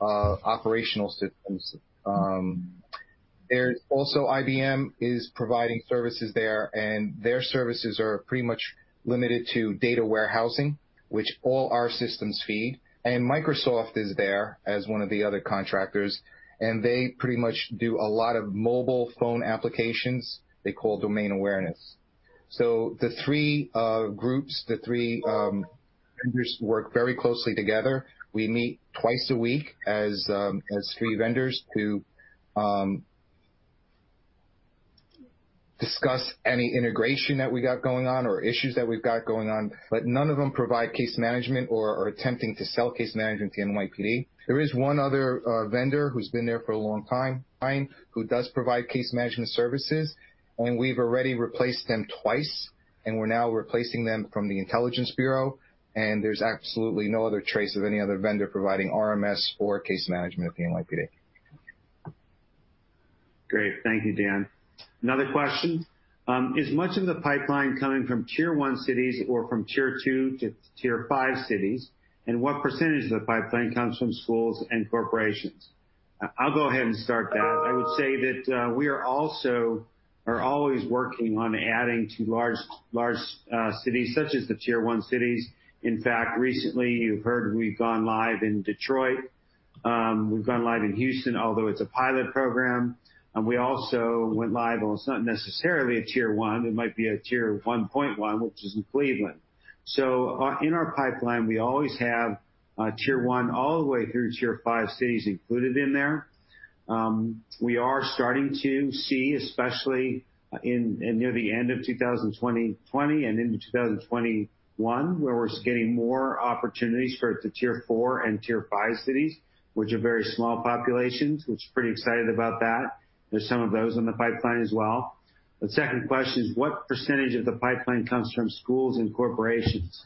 operational systems. Also IBM is providing services there, and their services are pretty much limited to data warehousing, which all our systems feed. Microsoft is there as one of the other contractors, and they pretty much do a lot of mobile phone applications they call Domain Awareness. The three groups, the three vendors work very closely together. We meet twice a week as three vendors to discuss any integration that we got going on or issues that we've got going on. None of them provide case management or are attempting to sell case management to NYPD. There is one other vendor who's been there for a long time who does provide case management services, and we've already replaced them twice, and we're now replacing them from the Intelligence Bureau, and there's absolutely no other trace of any other vendor providing RMS or case management at the NYPD. Great. Thank you, Dan. Another question. Is much of the pipeline coming from tier one cities or from tier two to tier five cities? And what percentage of the pipeline comes from schools and corporations? I'll go ahead and start that. I would say that we are always working on adding to large cities such as the tier one cities. In fact, recently you've heard we've gone live in Detroit. We've gone live in Houston, although it's a pilot program. We also went live, well, it's not necessarily a tier one, it might be a tier 1.1, which is in Cleveland. In our pipeline, we always have tier one all the way through tier five cities included in there. We are starting to see, especially near the end of 2020 and into 2021, where we're getting more opportunities for the tier four and tier five cities, which are very small populations. We're pretty excited about that. There's some of those in the pipeline as well. The second question is what percentage of the pipeline comes from schools and corporations?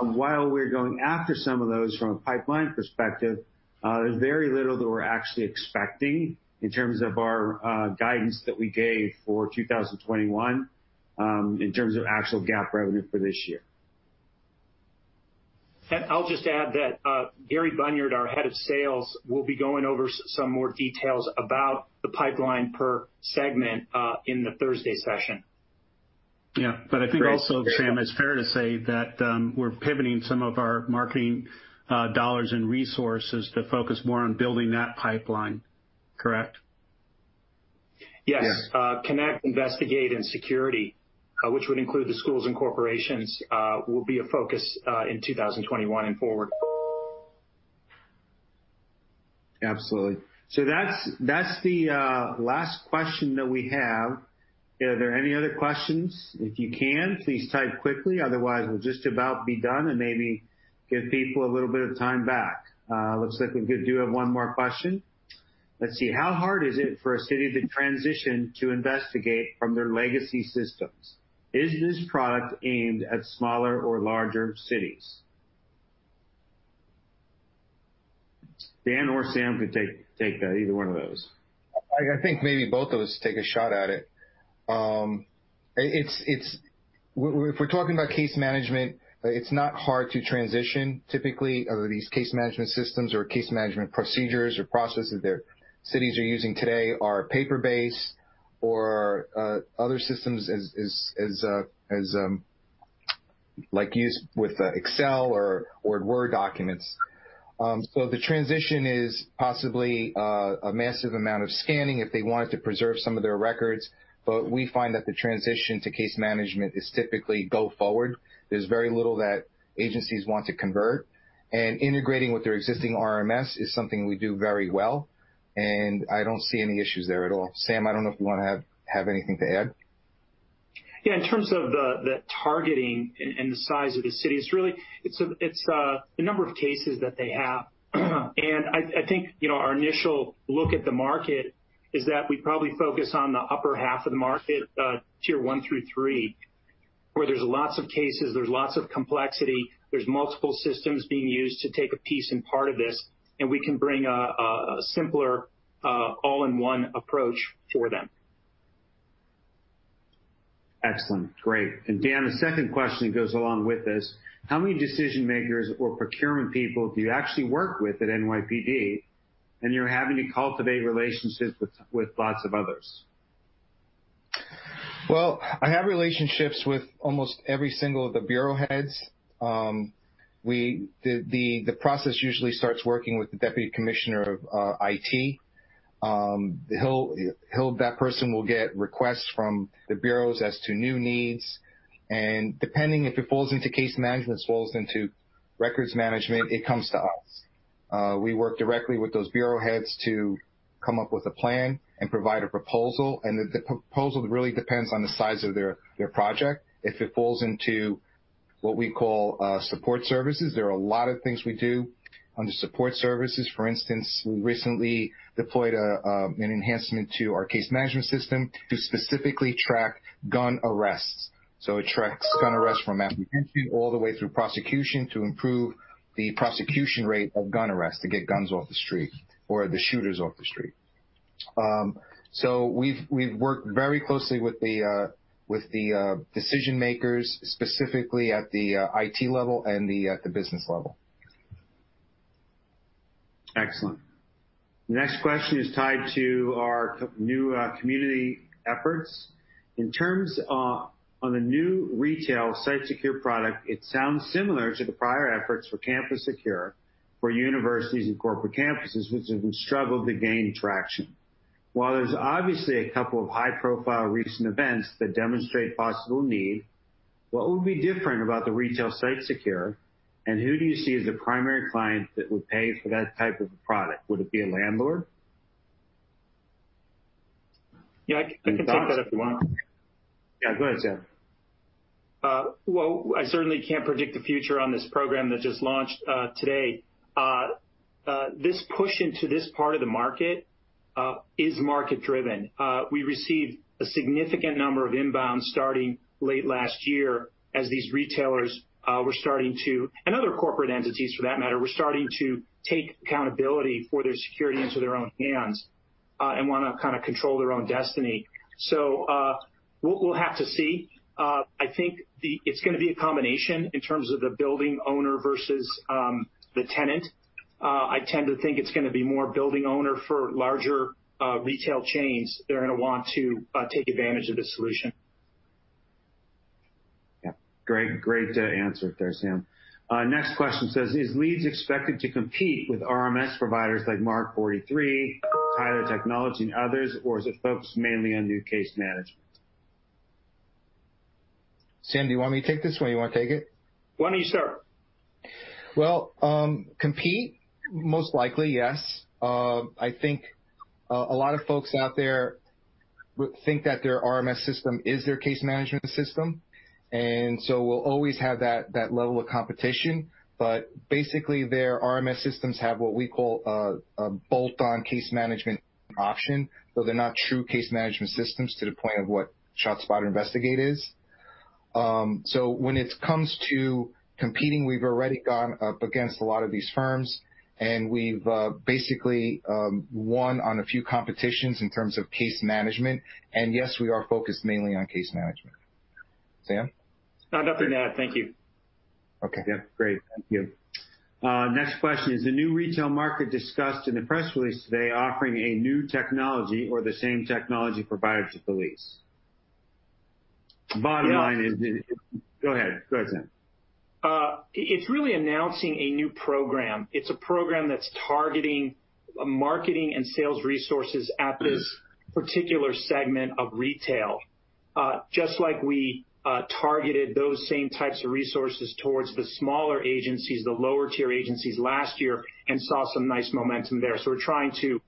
While we're going after some of those from a pipeline perspective, there's very little that we're actually expecting in terms of our guidance that we gave for 2021, in terms of actual GAAP revenue for this year. I'll just add that Gary Bunyard, our head of sales, will be going over some more details about the pipeline per segment in the Thursday session. Yeah. I think also, Sam, it's fair to say that we're pivoting some of our marketing dollars and resources to focus more on building that pipeline. Correct? Yes. Connect, Investigate, and Security, which would include the schools and corporations, will be a focus in 2021 and forward. Absolutely. That's the last question that we have. Are there any other questions? If you can, please type quickly. Otherwise, we'll just about be done and maybe give people a little bit of time back. Looks like we do have one more question. Let's see. How hard is it for a city to transition to Investigate from their legacy systems? Is this product aimed at smaller or larger cities? Dan or Sam could take that, either one of those. I think maybe both of us take a shot at it. If we're talking about case management, it's not hard to transition. Typically, these case management systems or case management procedures or processes that cities are using today are paper-based or other systems, like, used with Excel or Word documents. The transition is possibly a massive amount of scanning if they wanted to preserve some of their records. We find that the transition to case management is typically go forward. There's very little that agencies want to convert, and integrating with their existing RMS is something we do very well, and I don't see any issues there at all. Sam, I don't know if you want to have anything to add. Yeah. In terms of the targeting and the size of the city, it's the number of cases that they have. I think, our initial look at the market is that we probably focus on the upper half of the market, tier one through three, where there's lots of cases, there's lots of complexity, there's multiple systems being used to take a piece and part of this, and we can bring a simpler, all-in-one approach for them. Excellent. Great. Dan, the second question that goes along with this, how many decision-makers or procurement people do you actually work with at NYPD, and you're having to cultivate relationships with lots of others? Well, I have relationships with almost every single of the bureau heads. The process usually starts working with the Deputy Commissioner of IT. That person will get requests from the bureaus as to new needs, and depending if it falls into case management, it falls into records management, it comes to us. We work directly with those bureau heads to come up with a plan and provide a proposal, and the proposal really depends on the size of their project. If it falls into what we call support services, there are a lot of things we do under support services. For instance, we recently deployed an enhancement to our case management system to specifically track gun arrests. It tracks gun arrests from apprehension all the way through prosecution to improve the prosecution rate of gun arrests, to get guns off the street, or the shooters off the street. We've worked very closely with the decision-makers, specifically at the IT level and at the business level. Excellent. Next question is tied to our new community efforts. In terms of the new SiteSecure for Retail product, it sounds similar to the prior efforts for CampusSecure for universities and corporate campuses, which have struggled to gain traction. While there's obviously a couple of high-profile recent events that demonstrate possible need, what would be different about the SiteSecure for Retail, and who do you see as the primary client that would pay for that type of a product? Would it be a landlord? Yeah, I can take that if you want. Yeah. Go ahead, Sam. Well, I certainly can't predict the future on this program that just launched today. This push into this part of the market is market driven. We received a significant number of inbounds starting late last year as these retailers, and other corporate entities for that matter, were starting to take accountability for their security into their own hands, and want to kind of control their own destiny. We'll have to see. I think it's going to be a combination in terms of the building owner versus the tenant. I tend to think it's going to be more building owner for larger retail chains that are going to want to take advantage of this solution. Yeah. Great answer there, Sam. Next question says, Is Leeds expected to compete with RMS providers like Mark43, Tyler Technologies, and others, or is it focused mainly on new case management? Sam, do you want me to take this one? You want to take it? Why don't you start? Well, compete, most likely, yes. I think a lot of folks out there think that their RMS system is their case management system, and so we'll always have that level of competition. Basically, their RMS systems have what we call a bolt-on case management option, so they're not true case management systems to the point of what ShotSpotter Investigate is. When it comes to competing, we've already gone up against a lot of these firms, and we've basically won on a few competitions in terms of case management. Yes, we are focused mainly on case management. Sam? Nothing to add. Thank you. Okay. Yeah. Great. Thank you. Next question. Is the new retail market discussed in the press release today offering a new technology or the same technology provided to police? Bottom line is. Go ahead, Sam. It's really announcing a new program. It's a program that's targeting marketing and sales resources at this particular segment of retail. Just like we targeted those same types of resources towards the smaller agencies, the lower-tier agencies last year and saw some nice momentum there. We're trying to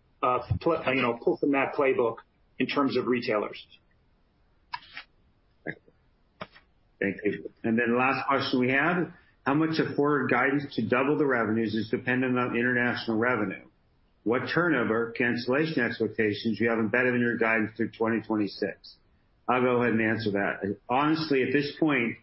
pull from that playbook in terms of retailers. Thank you. Last question we had, How much of forward guidance to double the revenues is dependent on international revenue? What turnover, cancellation expectations do you have embedded in your guidance through 2026? I'll go ahead and answer that. Honestly, at this point,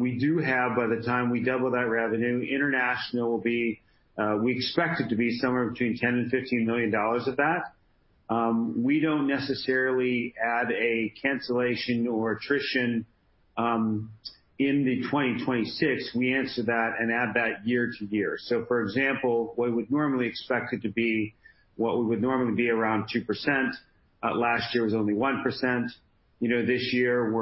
we do have, by the time we double that revenue, international, we expect it to be somewhere between $10 mllion - $15 million of that. We don't necessarily add a cancellation or attrition in 2026. We assess that and add that year to year. For example, what we would normally expect it to be around 2%, last year was only 1%. This year,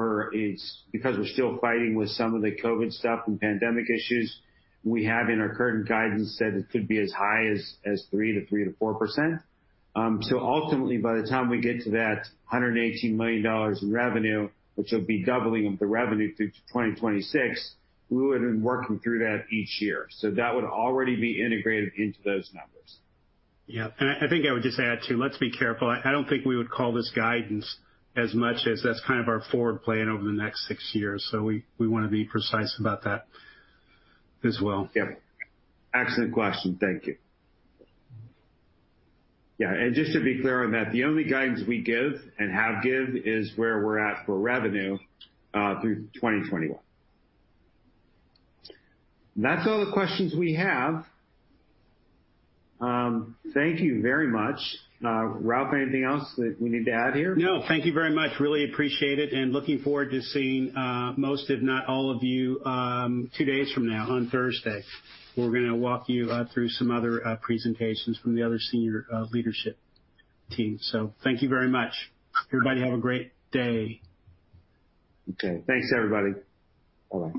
because we're still fighting with some of the COVID stuff and pandemic issues, we have in our current guidance said it could be as high as 3% - 4%. Ultimately, by the time we get to that $118 million in revenue, which will be doubling of the revenue through to 2026, we would've been working through that each year. That would already be integrated into those numbers. Yeah. I think I would just add, too, let's be careful. I don't think we would call this guidance as much as that's kind of our forward plan over the next six years. We want to be precise about that as well. Yeah. Excellent question. Thank you. Yeah, and just to be clear on that, the only guidance we give and have given is where we're at for revenue through 2021. That's all the questions we have. Thank you very much. Ralph, anything else that we need to add here? No, thank you very much. Really appreciate it, and looking forward to seeing most, if not all of you, two days from now on Thursday. We're going to walk you through some other presentations from the other senior leadership team. Thank you very much. Everybody have a great day. Okay. Thanks, everybody. Bye-bye.